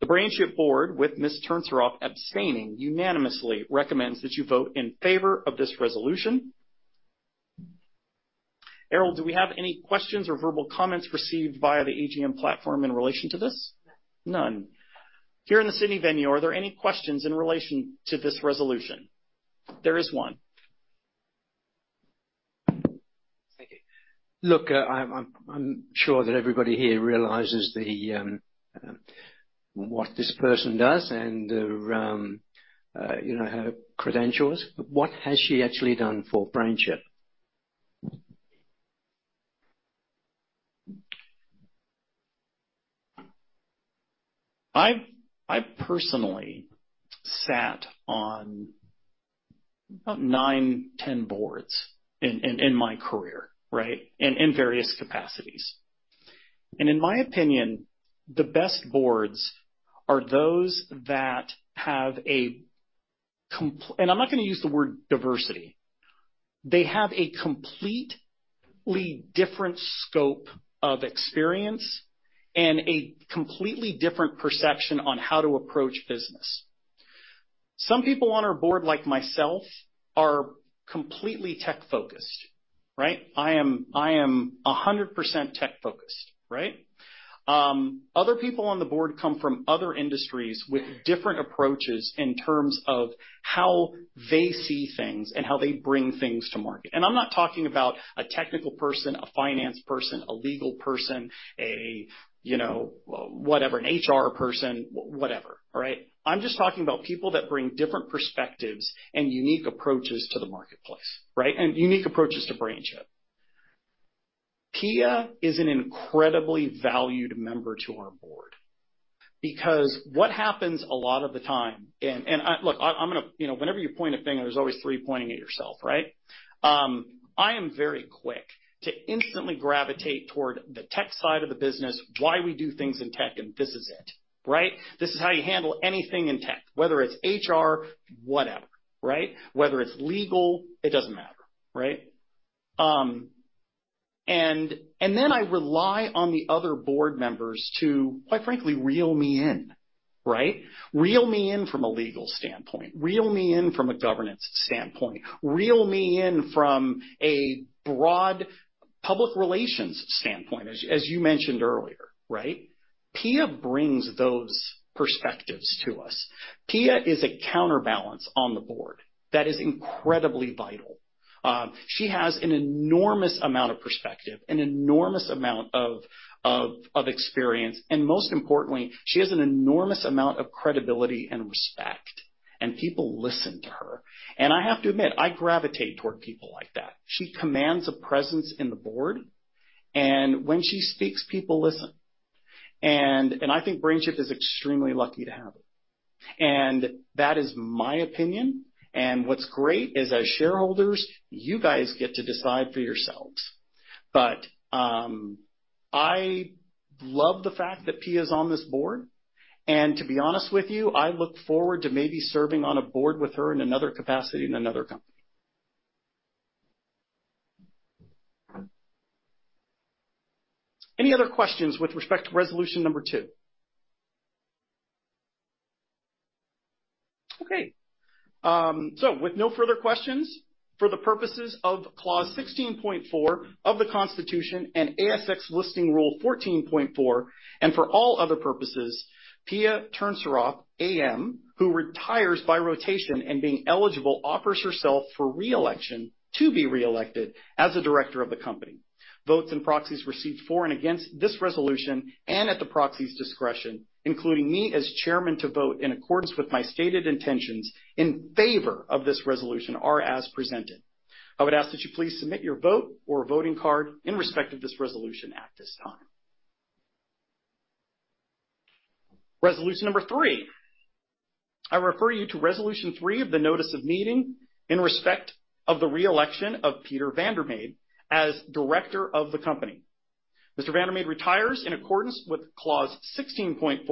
The BrainChip Board, with Ms. Turcinov abstaining, unanimously recommends that you vote in favor of this Resolution. Errol, do we have any questions or verbal comments received via the AGM platform in relation to this? None. None. Here in the Sydney venue, are there any questions in relation to this Resolution? There is one. Thank you. Look, I'm sure that everybody here realizes what this person does and you know, her credentials, but what has she actually done for BrainChip? I personally sat on about 9, 10 boards in my career, right? In various capacities. In my opinion, the best boards are those that have and I'm not gonna use the word diversity. They have a completely different scope of experience and a completely different perception on how to approach business. Some people on our board, like myself, are completely tech-focused, right? I am 100% tech-focused, right? Other people on the board come from other industries with different approaches in terms of how they see things and how they bring things to market. And I'm not talking about a technical person, a finance person, a legal person, you know, whatever, an HR person, whatever, all right? I'm just talking about people that bring different perspectives and unique approaches to the marketplace, right? And unique approaches to BrainChip. Pia is an incredibly valued member to our board. Because what happens a lot of the time, and I... Look, I, I'm gonna, you know, whenever you point a finger, there's always three pointing at yourself, right? I am very quick to instantly gravitate toward the tech side of the business, why we do things in tech, and this is it, right? This is how you handle anything in tech, whether it's HR, whatever, right? Whether it's legal, it doesn't matter, right? Then I rely on the other board members to, quite frankly, reel me in, right? Reel me in from a legal standpoint, reel me in from a governance standpoint, reel me in from a broad public relations standpoint, as you mentioned earlier, right? Pia brings those perspectives to us. Pia is a counterbalance on the board. That is incredibly vital. She has an enormous amount of perspective, an enormous amount of experience, and most importantly, she has an enormous amount of credibility and respect, and people listen to her. And I have to admit, I gravitate toward people like that. She commands a presence in the board, and when she speaks, people listen. And I think BrainChip is extremely lucky to have her, and that is my opinion. And what's great is, as shareholders, you guys get to decide for yourselves. But I love the fact that Pia is on this board, and to be honest with you, I look forward to maybe serving on a board with her in another capacity in another company. Any other questions with respect to Resolution number two? Okay, so with no further questions, for the purposes of Clause 16.4 of the Constitution and ASX Listing Rule 14.4, and for all other purposes, Pia Turcinov AM, who retires by rotation and being eligible, offers herself for reelection to be reelected as a director of the company. Votes and proxies received for and against this Resolution, and at the proxy's discretion, including me as chairman, to vote in accordance with my stated intentions in favor of this Resolution are as presented. I would ask that you please submit your vote or voting card in respect of this Resolution at this time. Resolution number three. I refer you to Resolution three of the notice of meeting in respect of the reelection of Peter van der Made as director of the company. Mr. van der Made retires in accordance with Clause 16.4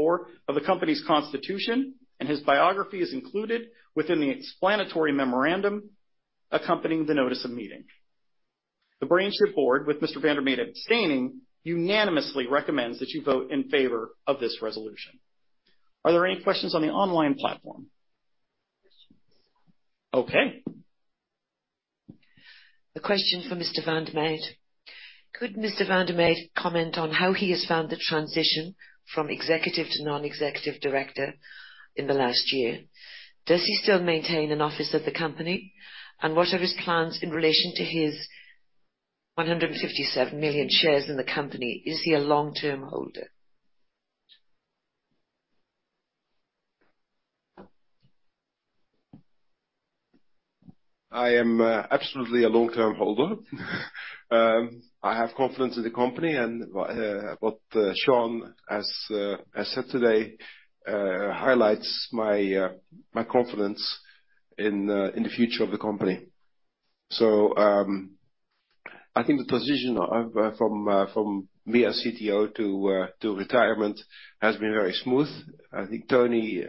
of the company's constitution, and his biography is included within the explanatory memorandum accompanying the notice of meeting. The BrainChip Board, with Mr. van der Made abstaining, unanimously recommends that you vote in favor of this Resolution. Are there any questions on the online platform? Questions. Okay. A question for Mr. van der Made: Could Mr. van der Made comment on how he has found the transition from executive to non-executive director in the last year? Does he still maintain an office of the company? And what are his plans in relation to his 157 million shares in the company? Is he a long-term holder? I am absolutely a long-term holder. I have confidence in the company and what Sean as has said today highlights my my confidence in in the future of the company. So, I think the transition of from from me as CTO to to retirement has been very smooth. I think Tony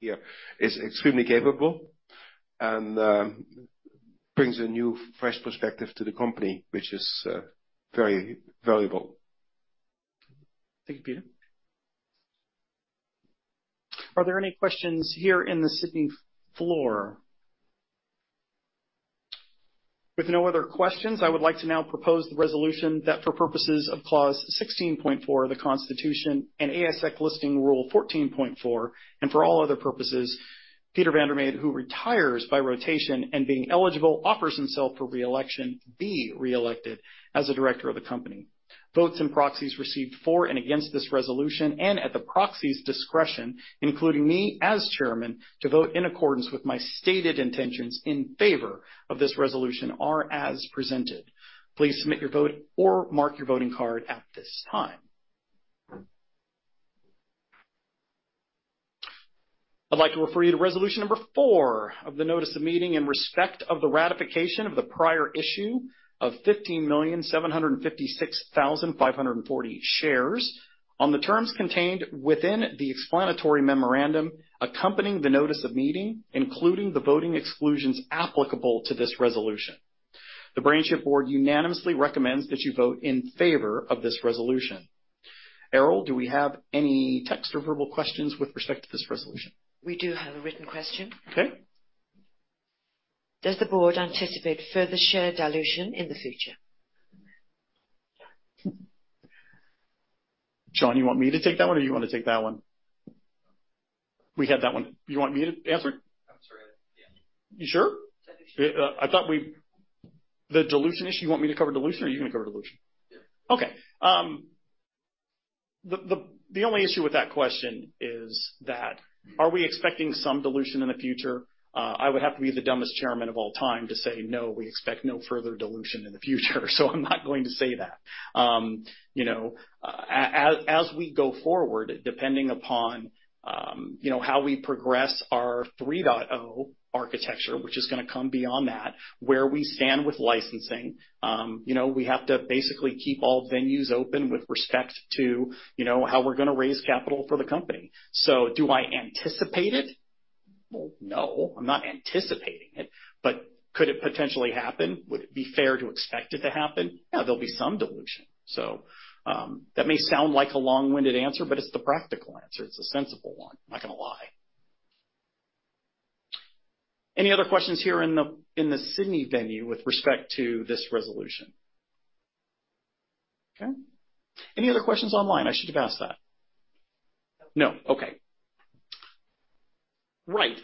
here is extremely capable and brings a new, fresh perspective to the company, which is very valuable. Thank you, Peter. Are there any questions here in the Sydney floor? With no other questions, I would like to now propose the Resolution that for purposes of Clause 16.4 of the Constitution and ASX Listing Rule 14.4, and for all other purposes, Peter van der Made, who retires by rotation and being eligible, offers himself for reelection, be reelected as a director of the company. Votes and proxies received for and against this Resolution, and at the proxy's discretion, including me as chairman, to vote in accordance with my stated intentions in favor of this Resolution, are as presented. Please submit your vote or mark your voting card at this time. I'd like to refer you to Resolution number four of the notice of meeting in respect of the ratification of the prior issue of 15,756,540 shares on the terms contained within the explanatory memorandum accompanying the notice of meeting, including the voting exclusions applicable to this Resolution. The BrainChip Board unanimously recommends that you vote in favor of this Resolution. Errol, do we have any text or verbal questions with respect to this Resolution? We do have a written question. Okay. Does the board anticipate further share dilution in the future? Sean, you want me to take that one, or do you want to take that one? We had that one. You want me to answer it? I'm sorry. Yeah. You sure? I think so. I thought we-- The dilution issue. You want me to cover dilution, or are you gonna cover dilution? Yeah. Okay. The only issue with that question is that are we expecting some dilution in the future? I would have to be the dumbest chairman of all time to say, "No, we expect no further dilution in the future." So I'm not going to say that. You know, as we go forward, depending upon, you know, how we progress our 3.0 architecture, which is gonna come beyond that, where we stand with licensing, you know, we have to basically keep all avenues open with respect to, you know, how we're gonna raise capital for the company. So do I anticipate it? Well, no, I'm not anticipating it, but could it potentially happen? Would it be fair to expect it to happen? Yeah, there'll be some dilution. So, that may sound like a long-winded answer, but it's the practical answer. It's a sensible one. I'm not gonna lie. Any other questions here in the Sydney venue with respect to this Resolution? Okay. Any other questions online? I should have asked that. No. Okay. Right.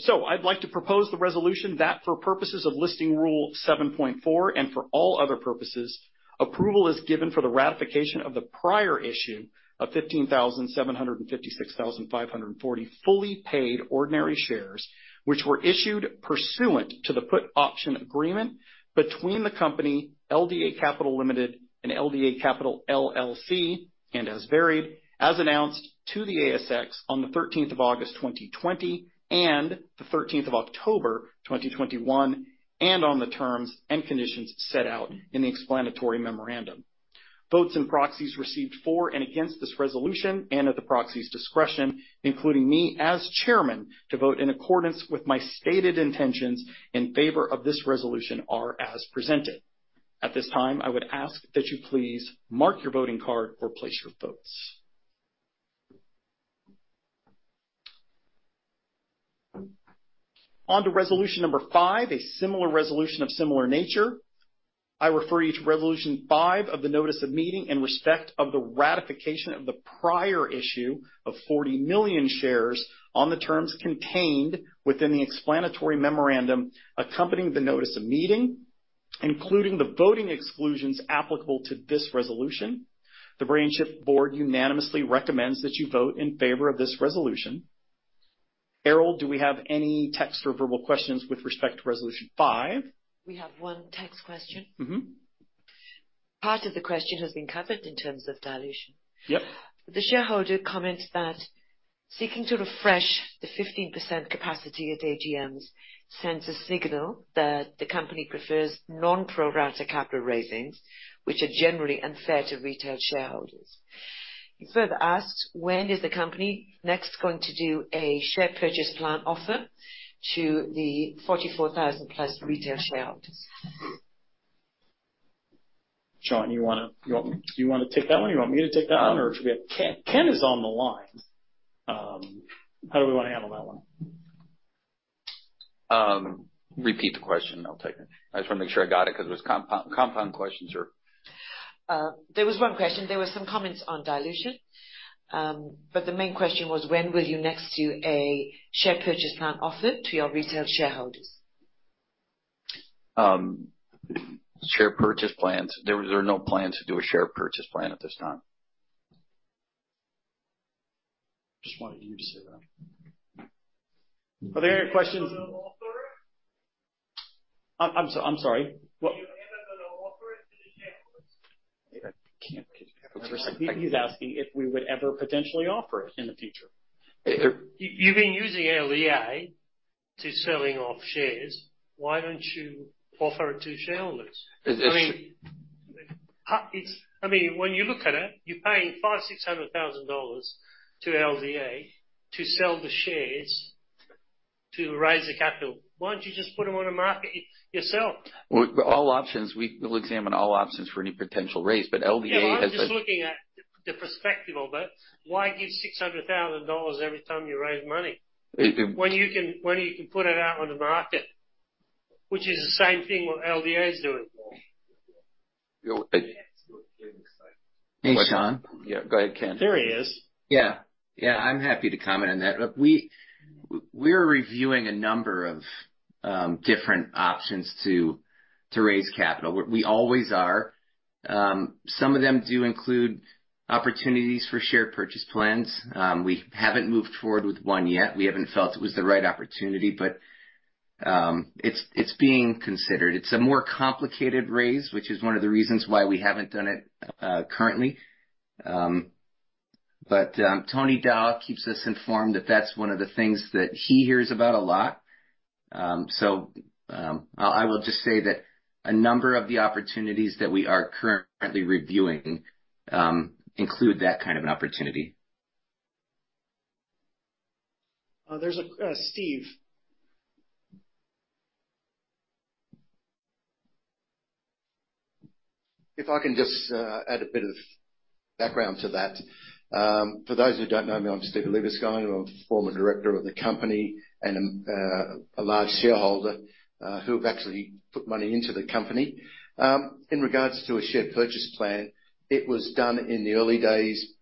So I'd like to propose the Resolution that for purposes of Listing Rule 7.4 and for all other purposes, approval is given for the ratification of the prior issue of 15,756,540 fully paid ordinary shares, which were issued pursuant to the put option agreement between the company, LDA Capital Limited and LDA Capital LLC, and as varied, as announced to the ASX on the thirteenth of August 2020, and the thirteenth of October 2021, and on the terms and conditions set out in the explanatory memorandum. Votes and proxies received for and against this Resolution, and at the proxy's discretion, including me as chairman, to vote in accordance with my stated intentions in favor of this Resolution, are as presented. At this time, I would ask that you please mark your voting card or place your votes. On to Resolution number 5, a similar Resolution of similar nature. I refer you to Resolution 5 of the notice of meeting in respect of the ratification of the prior issue of 40 million shares on the terms contained within the explanatory memorandum accompanying the notice of meeting, including the voting exclusions applicable to this Resolution. The BrainChip Board unanimously recommends that you vote in favor of this Resolution. Errol, do we have any text or verbal questions with respect to Resolution 5? We have one text question. Mm-hmm. Part of the question has been covered in terms of dilution. Yep. The shareholder comments that seeking to refresh the 15% capacity at AGMs sends a signal that the company prefers non-pro rata capital raisings, which are generally unfair to retail shareholders. He further asks, "When is the company next going to do a share purchase plan offer to the 44,000 plus retail shareholders? Sean, you wanna, you want, you wanna take that one? You want me to take that one, or should we have... Ken, Ken is on the line. How do we want to handle that one? Repeat the question and I'll take it. I just want to make sure I got it, 'cause it was compound questions are- There was one question. There were some comments on dilution, but the main question was: When will you next do a share purchase plan offer to your retail shareholders? Share purchase plans. There are no plans to do a share purchase plan at this time. Just wanted you to say that. Are there any questions? Offer it. I'm sorry. What? Are you ever gonna offer it to the shareholders? I can't... He's asking if we would ever potentially offer it in the future. You've been using LDA to sell off shares. Why don't you offer it to shareholders? It's-I mean, when you look at it, you're paying $500,000-$600,000 to LDA to sell the shares, to raise the capital. Why don't you just put them on the market yourself? Well, all options... We will examine all options for any potential raise, but LDA has- Yeah, I'm just looking at the perspective of it. Why give $600,000 every time you raise moneyIt, it--when you can, when you can put it out on the market, which is the same thing what LDA is doing? Hey, Sean? Yeah, go ahead, Ken. There he is. Yeah. Yeah, I'm happy to comment on that. Look, we're reviewing a number of different options to raise capital. We always are. Some of them do include opportunities for share purchase plans. We haven't moved forward with one yet. We haven't felt it was the right opportunity, but-... It's, it's being considered. It's a more complicated raise, which is one of the reasons why we haven't done it, currently. But, Tony Dawe keeps us informed that that's one of the things that he hears about a lot. So, I, I will just say that a number of the opportunities that we are currently reviewing, include that kind of an opportunity. There's a Steve. If I can just add a bit of background to that. For those who don't know me, I'm Stephen Liebeskind, I'm a former director of the company and a large shareholder who have actually put money into the company. In regards to a share purchase plan, it was done in the early days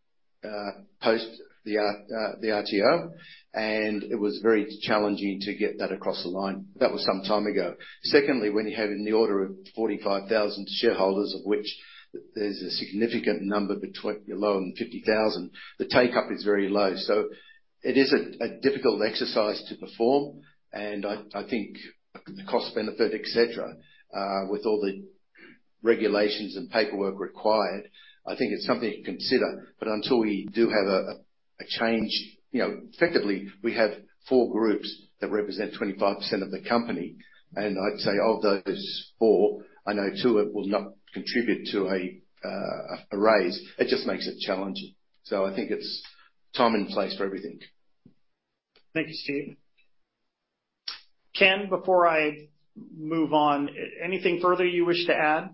post the RTO, and it was very challenging to get that across the line. That was some time ago. Secondly, when you have in the order of 45,000 shareholders, of which there's a significant number below 50,000, the take-up is very low. So it is a difficult exercise to perform, and I think the cost benefit, et cetera, with all the regulations and paperwork required, I think it's something to consider. But until we do have a change, you know, effectively, we have four groups that represent 25% of the company, and I'd say of those four, I know two of them will not contribute to a raise. It just makes it challenging. So I think it's time and place for everything. Thank you, Steve. Ken, before I move on, anything further you wish to add?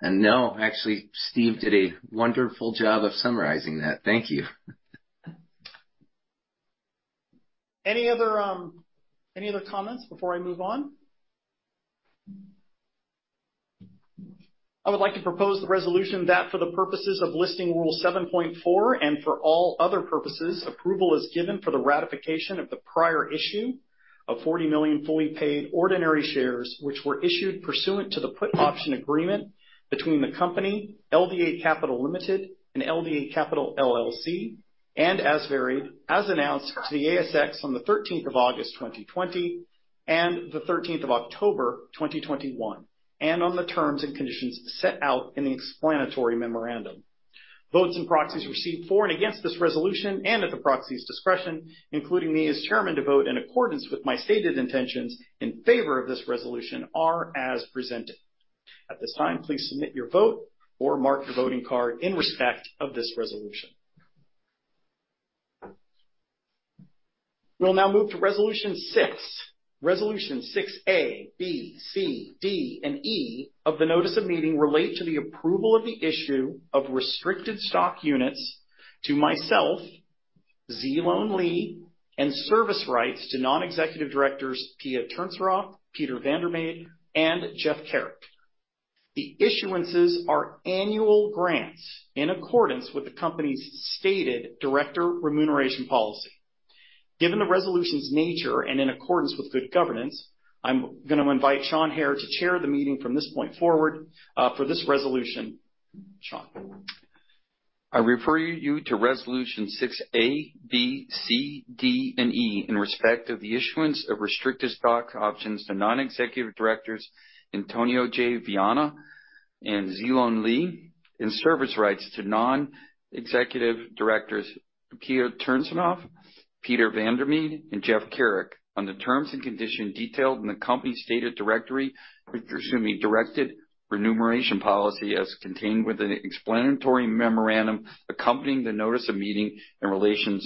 No, actually, Steve did a wonderful job of summarizing that. Thank you. Any other, any other comments before I move on? I would like to propose the Resolution that for the purposes of Listing Rule 7.4 and for all other purposes, approval is given for the ratification of the prior issue of 40 million fully paid ordinary shares, which were issued pursuant to the put option agreement between the company, LDA Capital Limited and LDA Capital LLC, and as varied as announced to the ASX on the thirteenth of August 2020 and the thirteenth of October 2021, and on the terms and conditions set out in the explanatory memorandum. Votes and proxies received for and against this Resolution, and at the proxy's discretion, including me as chairman, to vote in accordance with my stated intentions in favor of this Resolution, are as presented. At this time, please submit your vote or mark your voting card in respect of this Resolution. We'll now move to Resolution six. Resolution six A, B, C, D, and E of the notice of meeting relate to the approval of the issue of restricted stock units to myself, Zhilong Li, and service rights to non-executive directors, Pia Turcinov, Peter van der Made, and Geoff Carrick. The issuances are annual grants in accordance with the company's stated director remuneration policy. Given the Resolution's nature, and in accordance with good governance, I'm gonna invite Sean Hehir to chair the meeting from this point forward, for this Resolution. Sean. I refer you to Resolution 6 A, B, C, D, and E in respect of the issuance of restricted stock options to non-executive directors, Antonio Viana and Zhilong Li, in service rights to non-executive directors, Pia Turcinov, Peter van der Made, and Geoff Carrick, on the terms and conditions detailed in the company's stated director remuneration policy as contained within the explanatory memorandum accompanying the notice of meeting in relation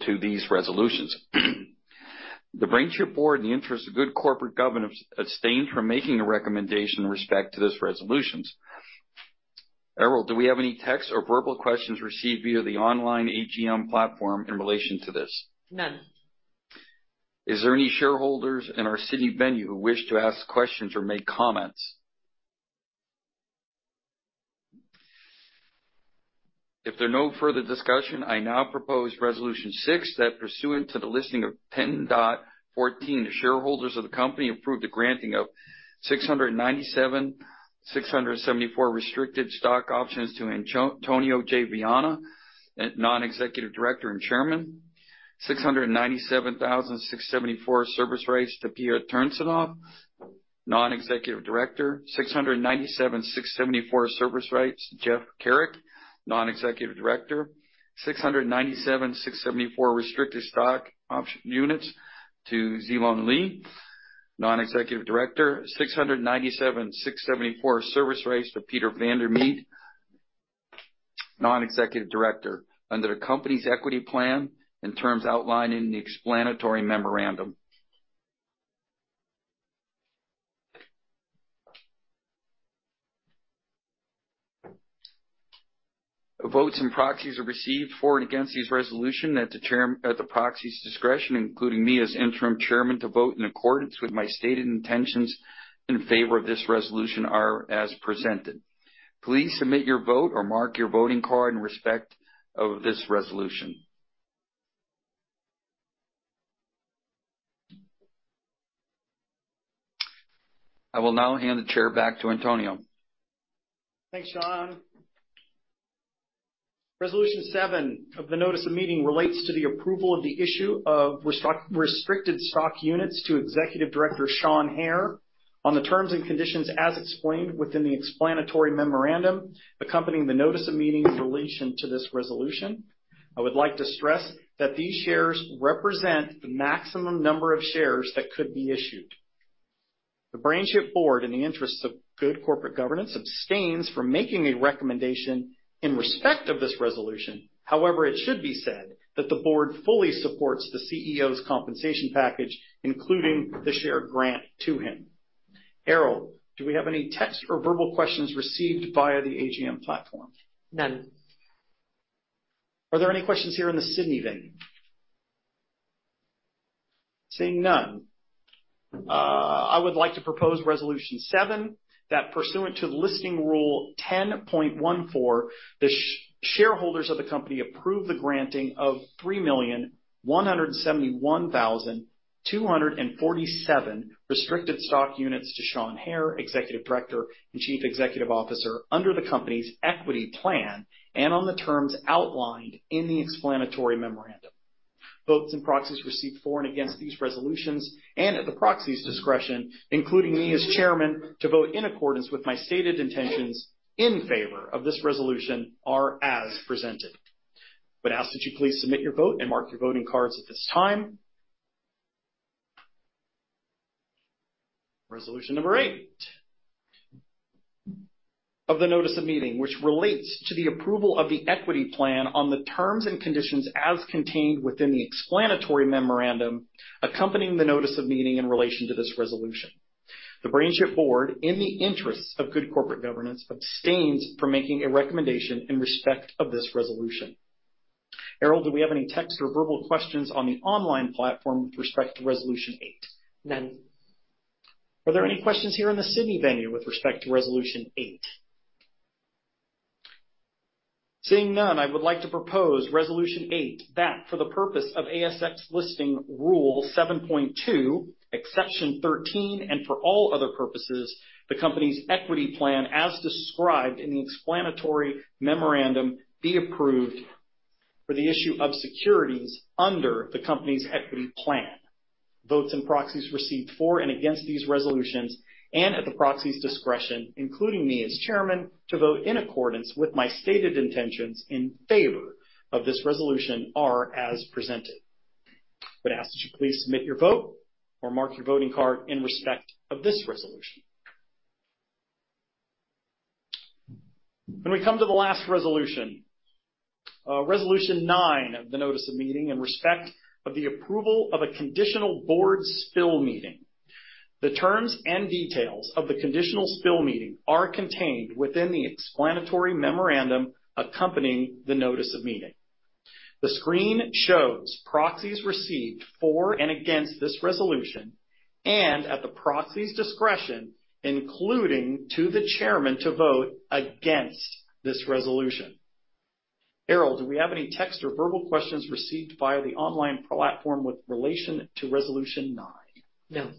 to these Resolutions. The Board, in the interest of good corporate governance, abstained from making a recommendation in respect to those Resolutions. Errol, do we have any text or verbal questions received via the online AGM platform in relation to this? None. Is there any shareholders in our city venue who wish to ask questions or make comments? If there are no further discussion, I now propose Resolution 6, that pursuant to the Listing Rule 10.14, the shareholders of the company approve the granting of 697,674 restricted stock options to Antonio Viana, a Non-Executive Director and Chairman. 697,674 service rights to Pia Turcinov, Non-Executive Director. 697,674 service rights, Geoffrey Carrick, Non-Executive Director. 697,674 restricted stock units to Zhilong Li, Non-Executive Director. 697,674 service rights to Peter van der Made, Non-Executive Director, under the company's equity plan and terms outlined in the explanatory memorandum. Votes and proxies are received for and against this Resolution at the proxy's discretion, including me, as interim chairman, to vote in accordance with my stated intentions in favor of this Resolution, are as presented. Please submit your vote or mark your voting card in respect of this Resolution.... I will now hand the chair back to Antonio. Thanks, Sean. Resolution seven of the Notice of Meeting relates to the approval of the issue of restricted stock units to Executive Director Sean Hehir, on the terms and conditions as explained within the explanatory memorandum accompanying the Notice of Meeting in relation to this Resolution. I would like to stress that these shares represent the maximum number of shares that could be issued. The BrainChip Board, in the interests of good corporate governance, abstains from making a recommendation in respect of this Resolution. However, it should be said that the board fully supports the CEO's compensation package, including the share grant to him. Errol, do we have any text or verbal questions received via the AGM platform? None. Are there any questions here in the Sydney venue? Seeing none, I would like to propose Resolution 7, that pursuant to the Listing Rule 10.14, the shareholders of the company approve the granting of 3,171,247 restricted stock units to Sean Hehir, Executive Director and Chief Executive Officer, under the company's equity plan and on the terms outlined in the explanatory memorandum. Votes and proxies received for and against these Resolutions and at the proxy's discretion, including me as chairman, to vote in accordance with my stated intentions in favor of this Resolution, are as presented. I would ask that you please submit your vote and mark your voting cards at this time. Resolution number eight of the notice of meeting, which relates to the approval of the equity plan on the terms and conditions as contained within the explanatory memorandum accompanying the notice of meeting in relation to this Resolution. The BrainChip Board, in the interests of good corporate governance, abstains from making a recommendation in respect of this Resolution. Errol, do we have any text or verbal questions on the online platform with respect to Resolution eight? None. Are there any questions here in the Sydney venue with respect to Resolution 8? Seeing none, I would like to propose Resolution 8, that for the purpose of ASX Listing Rule 7.2, exception 13, and for all other purposes, the company's equity plan, as described in the explanatory memorandum, be approved for the issue of securities under the company's equity plan. Votes and proxies received for and against these Resolutions, and at the proxy's discretion, including me as chairman, to vote in accordance with my stated intentions in favor of this Resolution, are as presented. I would ask that you please submit your vote or mark your voting card in respect of this Resolution. Then we come to the last Resolution, Resolution 9 of the notice of meeting in respect of the approval of a conditional board spill meeting. The terms and details of the conditional spill meeting are contained within the explanatory memorandum accompanying the notice of meeting. The screen shows proxies received for and against this Resolution and at the proxy's discretion, including to the chairman, to vote against this Resolution. Errol, do we have any text or verbal questions received via the online platform with relation to Resolution nine? No.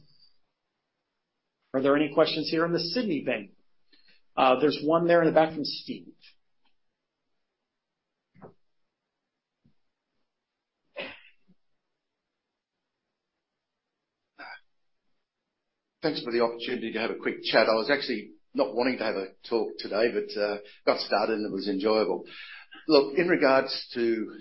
Are there any questions here in the Sydney venue? There's one there in the back from Steve. Thanks for the opportunity to have a quick chat. I was actually not wanting to have a talk today, but got started, and it was enjoyable. Look, in regards to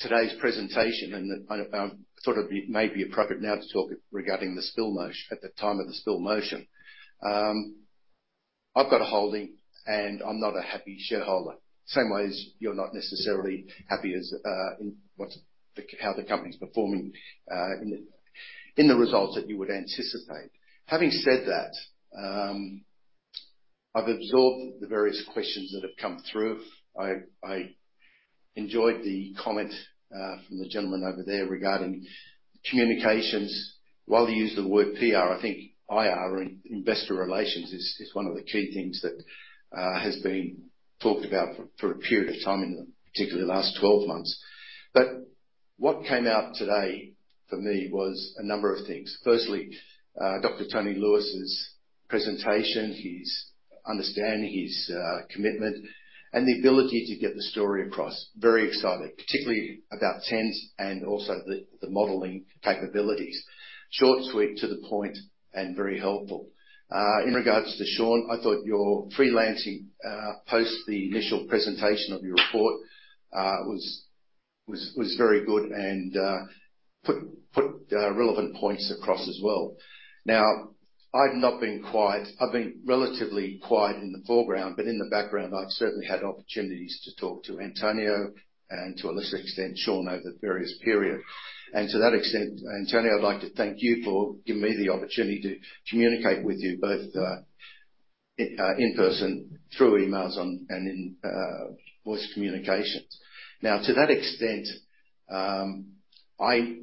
today's presentation, and I thought it may be appropriate now to talk regarding the spill motion, at the time of the spill motion. I've got a holding, and I'm not a happy shareholder. Same way as you're not necessarily happy as in what's the-how the company's performing, in the results that you would anticipate. Having said that, I've absorbed the various questions that have come through. I enjoyed the comment from the gentleman over there regarding communications. While you use the word PR, I think IR, or investor relations, is one of the key things that has been talked about for a period of time, in the particularly last 12 months. But what came out today for me was a number of things. Firstly, Dr. Tony Lewis's presentation, his understanding, his commitment, and the ability to get the story across. Very excited, particularly about TENNs and also the modeling capabilities. Short, sweet, to the point, and very helpful. In regards to Sean, I thought your freelancing post the initial presentation of your report was very good and put relevant points across as well. Now, I've not been quiet. I've been relatively quiet in the foreground, but in the background, I've certainly had opportunities to talk to Antonio and to a lesser extent, Sean, over various period. To that extent, Antonio, I'd like to thank you for giving me the opportunity to communicate with you both, in person, through emails, on and in voice communications. Now, to that extent, I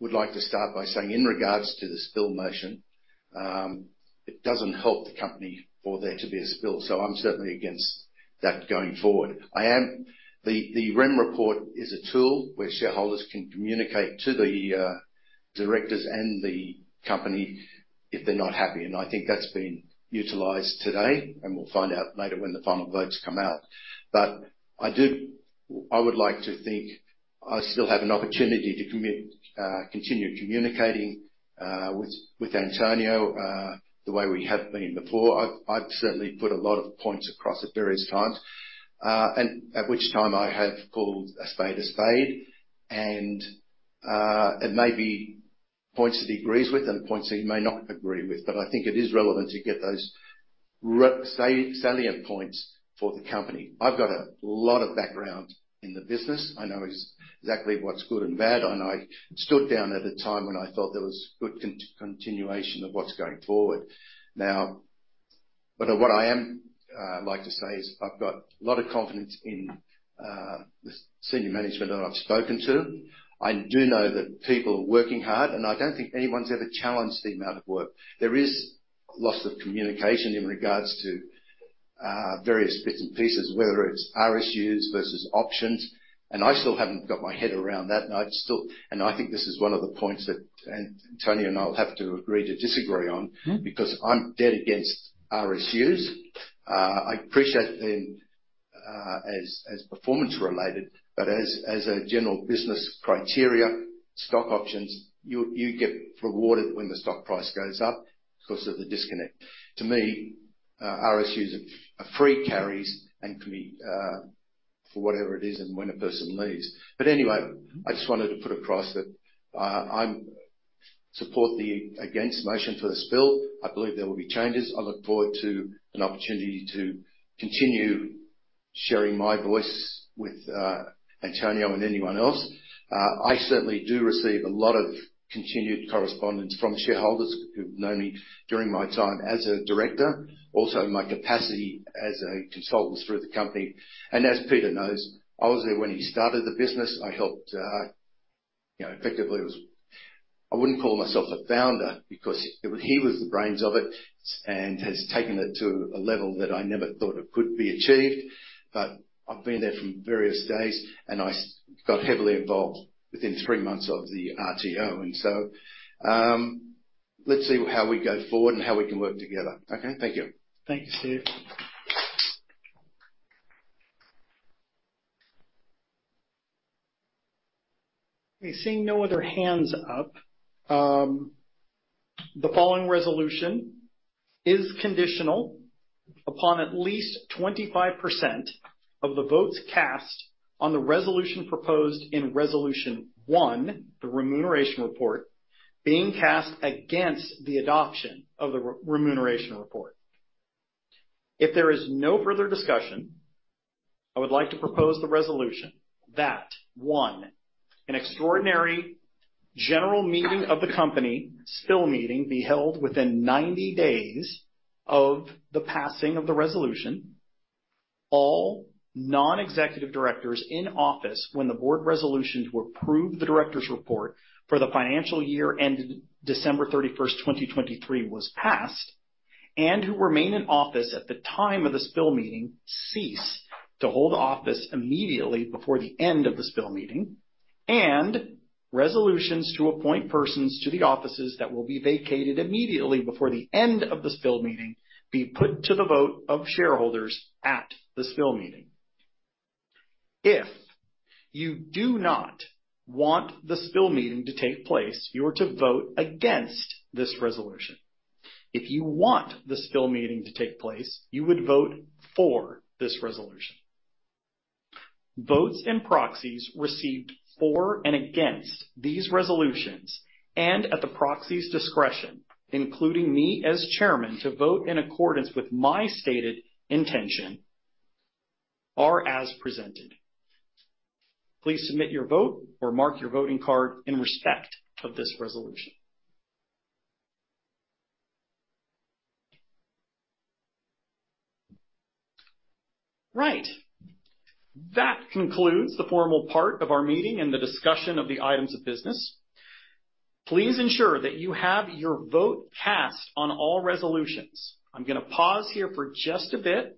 would like to start by saying, in regards to the spill motion. It doesn't help the company for there to be a spill, so I'm certainly against that going forward. The remuneration report is a tool where shareholders can communicate to the directors and the company if they're not happy, and I think that's been utilized today, and we'll find out later when the final votes come out. But I do I would like to think I still have an opportunity to continue communicating with Antonio the way we have been before. I've certainly put a lot of points across at various times, and at which time I have called a spade a spade, and it may be points that he agrees with and points that he may not agree with, but I think it is relevant to get those salient points for the company. I've got a lot of background in the business. I know exactly what's good and bad, and I stood down at a time when I thought there was good continuation of what's going forward. Now, but what I am like to say is, I've got a lot of confidence in the senior management that I've spoken to. I do know that people are working hard, and I don't think anyone's ever challenged the amount of work. There is loss of communication in regards to various bits and pieces, whether it's RSUs versus options, and I still haven't got my head around that. I think this is one of the points that Antonio and I will have to agree to disagree on, because I'm dead against RSUs. I appreciate them as performance related, but as a general business criteria, stock options, you get rewarded when the stock price goes up because of the disconnect. To me, RSUs are free carries and can be for whatever it is and when a person leaves. But anyway, I just wanted to put across that, I'm support the against motion for the spill. I believe there will be changes. I look forward to an opportunity to continue sharing my voice with Antonio and anyone else. I certainly do receive a lot of continued correspondence from shareholders who've known me during my time as a director, also in my capacity as a consultant for the company. As Peter knows, I was there when he started the business. I helped, you know, effectively, it was... I wouldn't call myself a founder because he was the brains of it, and has taken it to a level that I never thought it could be achieved. I've been there from various days, and I got heavily involved within three months of the RTO. So, let's see how we go forward and how we can work together. Okay, thank you. Thank you, Steve. I see no other hands up. The following Resolution is conditional upon at least 25% of the votes cast on the Resolution proposed in Resolution One, the Remuneration Report, being cast against the adoption of the remuneration report. If there is no further discussion, I would like to propose the Resolution that one, an extraordinary general meeting of the company, spill meeting, be held within 90 days of the passing of the Resolution. All non-executive directors in office when the board Resolutions were approved, the directors report for the financial year ended December 31, 2023, was passed, and who remain in office at the time of the Spill Meeting, cease to hold office immediately before the end of the Spill Meeting, and Resolutions to appoint persons to the offices that will be vacated immediately before the end of the Spill Meeting be put to the vote of shareholders at the Spill Meeting. If you do not want the Spill Meeting to take place, you are to vote against this Resolution. If you want the Spill Meeting to take place, you would vote for this Resolution. Votes and proxies received for and against these Resolutions, and at the proxy's discretion, including me as chairman, to vote in accordance with my stated intention, are as presented. Please submit your vote or mark your voting card in respect of this Resolution. Right. That concludes the formal part of our meeting and the discussion of the items of business. Please ensure that you have your vote cast on all Resolutions. I'm gonna pause here for just a bit.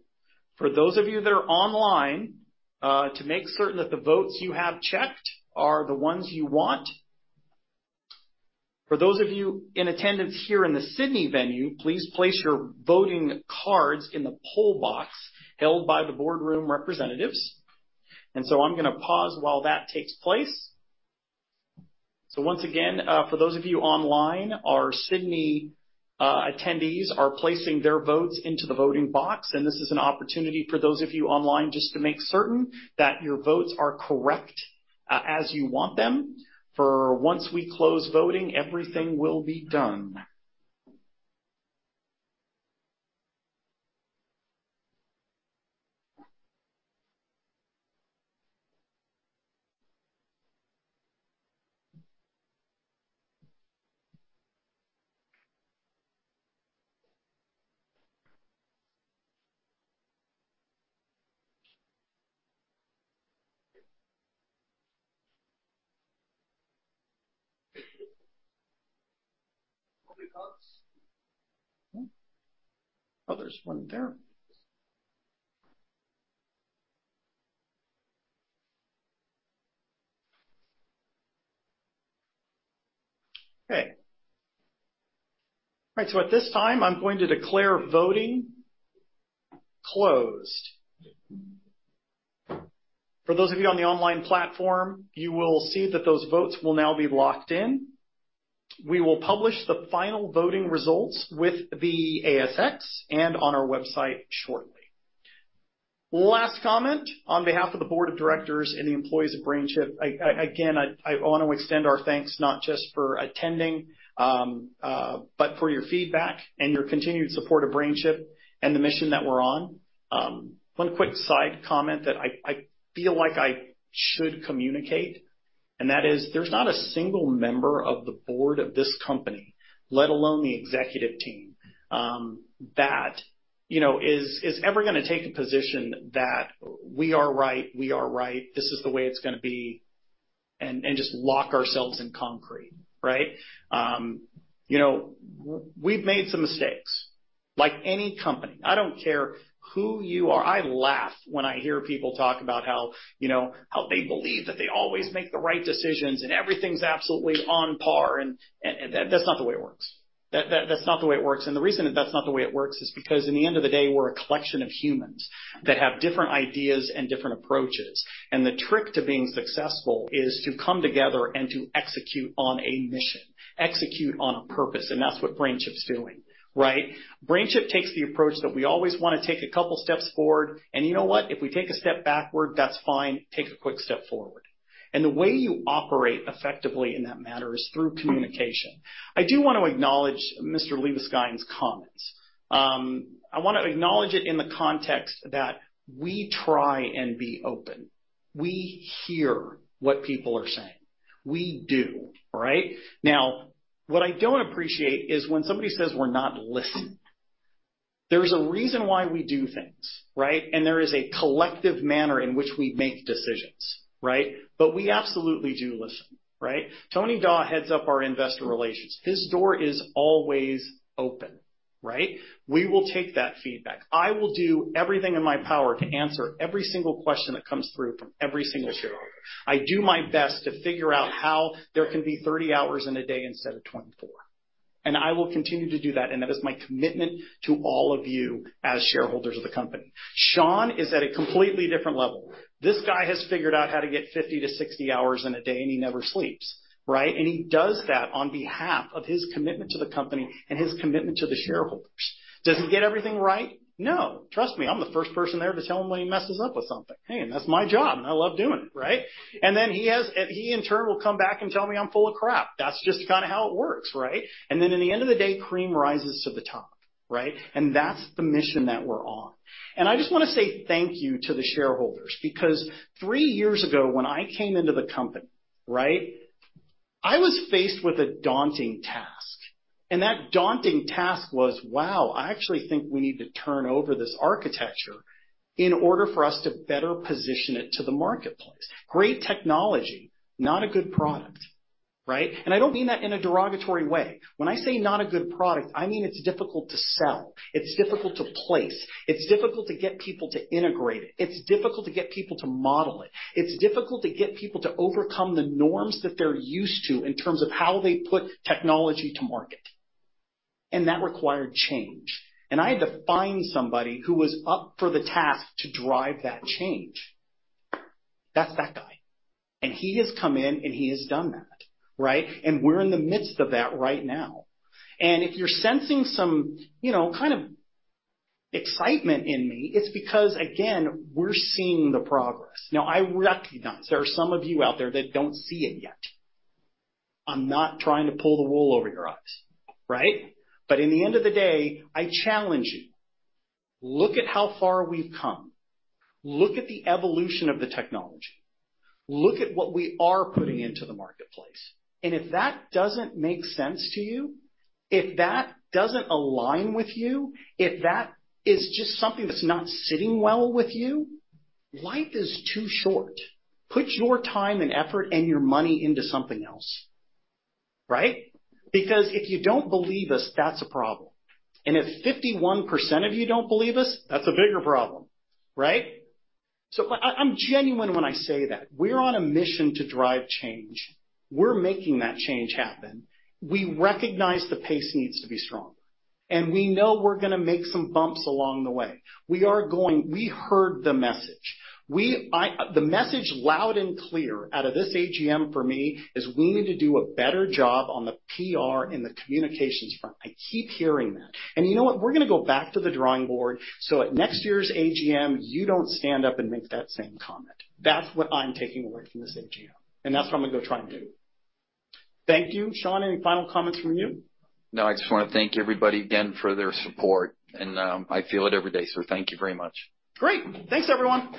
For those of you that are online, to make certain that the votes you have checked are the ones you want. For those of you in attendance here in the Sydney venue, please place your voting cards in the poll box held by the boardroom representatives, and so I'm gonna pause while that takes place. So once again, for those of you online, our Sydney attendees are placing their votes into the voting box, and this is an opportunity for those of you online just to make certain that your votes are correct, as you want them, for once we close voting, everything will be done. Oh, there's one there. Okay. All right, so at this time, I'm going to declare voting closed. For those of you on the online platform, you will see that those votes will now be locked in. We will publish the final voting results with the ASX and on our website shortly. Last comment, on behalf of the board of directors and the employees of BrainChip, again, I want to extend our thanks not just for attending, but for your feedback and your continued support of BrainChip and the mission that we're on. One quick side comment that I feel like I should communicate, and that is there's not a single member of the board of this company, let alone the executive team, that, you know, is ever gonna take a position that we are right, we are right. This is the way it's gonna be, and just lock ourselves in concrete, right? You know, we've made some mistakes, like any company. I don't care who you are. I laugh when I hear people talk about how, you know, how they believe that they always make the right decisions, and everything's absolutely on par, and, and that's not the way it works. That, that- that's not the way it works. The reason that that's not the way it works is because at the end of the day, we're a collection of humans that have different ideas and different approaches, and the trick to being successful is to come together and to execute on a mission, execute on a purpose, and that's what BrainChip's doing, right? BrainChip takes the approach that we always wanna take a couple steps forward, and you know what? If we take a step backward, that's fine. Take a quick step forward. The way you operate effectively in that manner is through communication. I do want to acknowledge Mr. Liebeskind's comments. I wanna acknowledge it in the context that we try and be open. We hear what people are saying. We do, right? Now, what I don't appreciate is when somebody says we're not listening. There's a reason why we do things, right? And there is a collective manner in which we make decisions, right? But we absolutely do listen, right? Tony Dawe heads up our investor relations. His door is always open, right? We will take that feedback. I will do everything in my power to answer every single question that comes through from every single shareholder. I do my best to figure out how there can be 30 hours in a day instead of 24, and I will continue to do that, and that is my commitment to all of you as shareholders of the company. Sean is at a completely different level. This guy has figured out how to get 50-60 hours in a day, and he never sleeps, right? And he does that on behalf of his commitment to the company and his commitment to the shareholders. Does he get everything right? No. Trust me, I'm the first person there to tell him when he messes up with something. Hey, and that's my job, and I love doing it, right? And then he has -- he, in turn, will come back and tell me I'm full of crap. That's just kinda how it works, right? And then in the end of the day, cream rises to the top, right? And that's the mission that we're on. And I just wanna say thank you to the shareholders, because three years ago, when I came into the company, right, I was faced with a daunting task, and that daunting task was, wow, I actually think we need to turn over this architecture in order for us to better position it to the marketplace. Great technology, not a good product, right? And I don't mean that in a derogatory way. When I say not a good product, I mean it's difficult to sell, it's difficult to place, it's difficult to get people to integrate it, it's difficult to get people to model it, it's difficult to get people to overcome the norms that they're used to in terms of how they put technology to market. And that required change. And I had to find somebody who was up for the task to drive that change. That's that guy, and he has come in, and he has done that, right? And we're in the midst of that right now. And if you're sensing some, you know, kind of excitement in me, it's because, again, we're seeing the progress. Now, I recognize there are some of you out there that don't see it yet. I'm not trying to pull the wool over your eyes, right? But in the end of the day, I challenge you. Look at how far we've come. Look at the evolution of the technology. Look at what we are putting into the marketplace. And if that doesn't make sense to you, if that doesn't align with you, if that is just something that's not sitting well with you, life is too short. Put your time and effort and your money into something else, right? Because if you don't believe us, that's a problem. And if 51% of you don't believe us, that's a bigger problem, right? So, I'm genuine when I say that. We're on a mission to drive change. We're making that change happen. We recognize the pace needs to be stronger, and we know we're gonna make some bumps along the way. We are going, we heard the message. The message, loud and clear, out of this AGM for me is we need to do a better job on the PR and the communications front. I keep hearing that. And you know what? We're gonna go back to the drawing board, so at next year's AGM, you don't stand up and make that same comment. That's what I'm taking away from this AGM, and that's what I'm gonna go try and do. Thank you. Sean, any final comments from you? No, I just wanna thank everybody again for their support, and, I feel it every day, so thank you very much. Great. Thanks, everyone.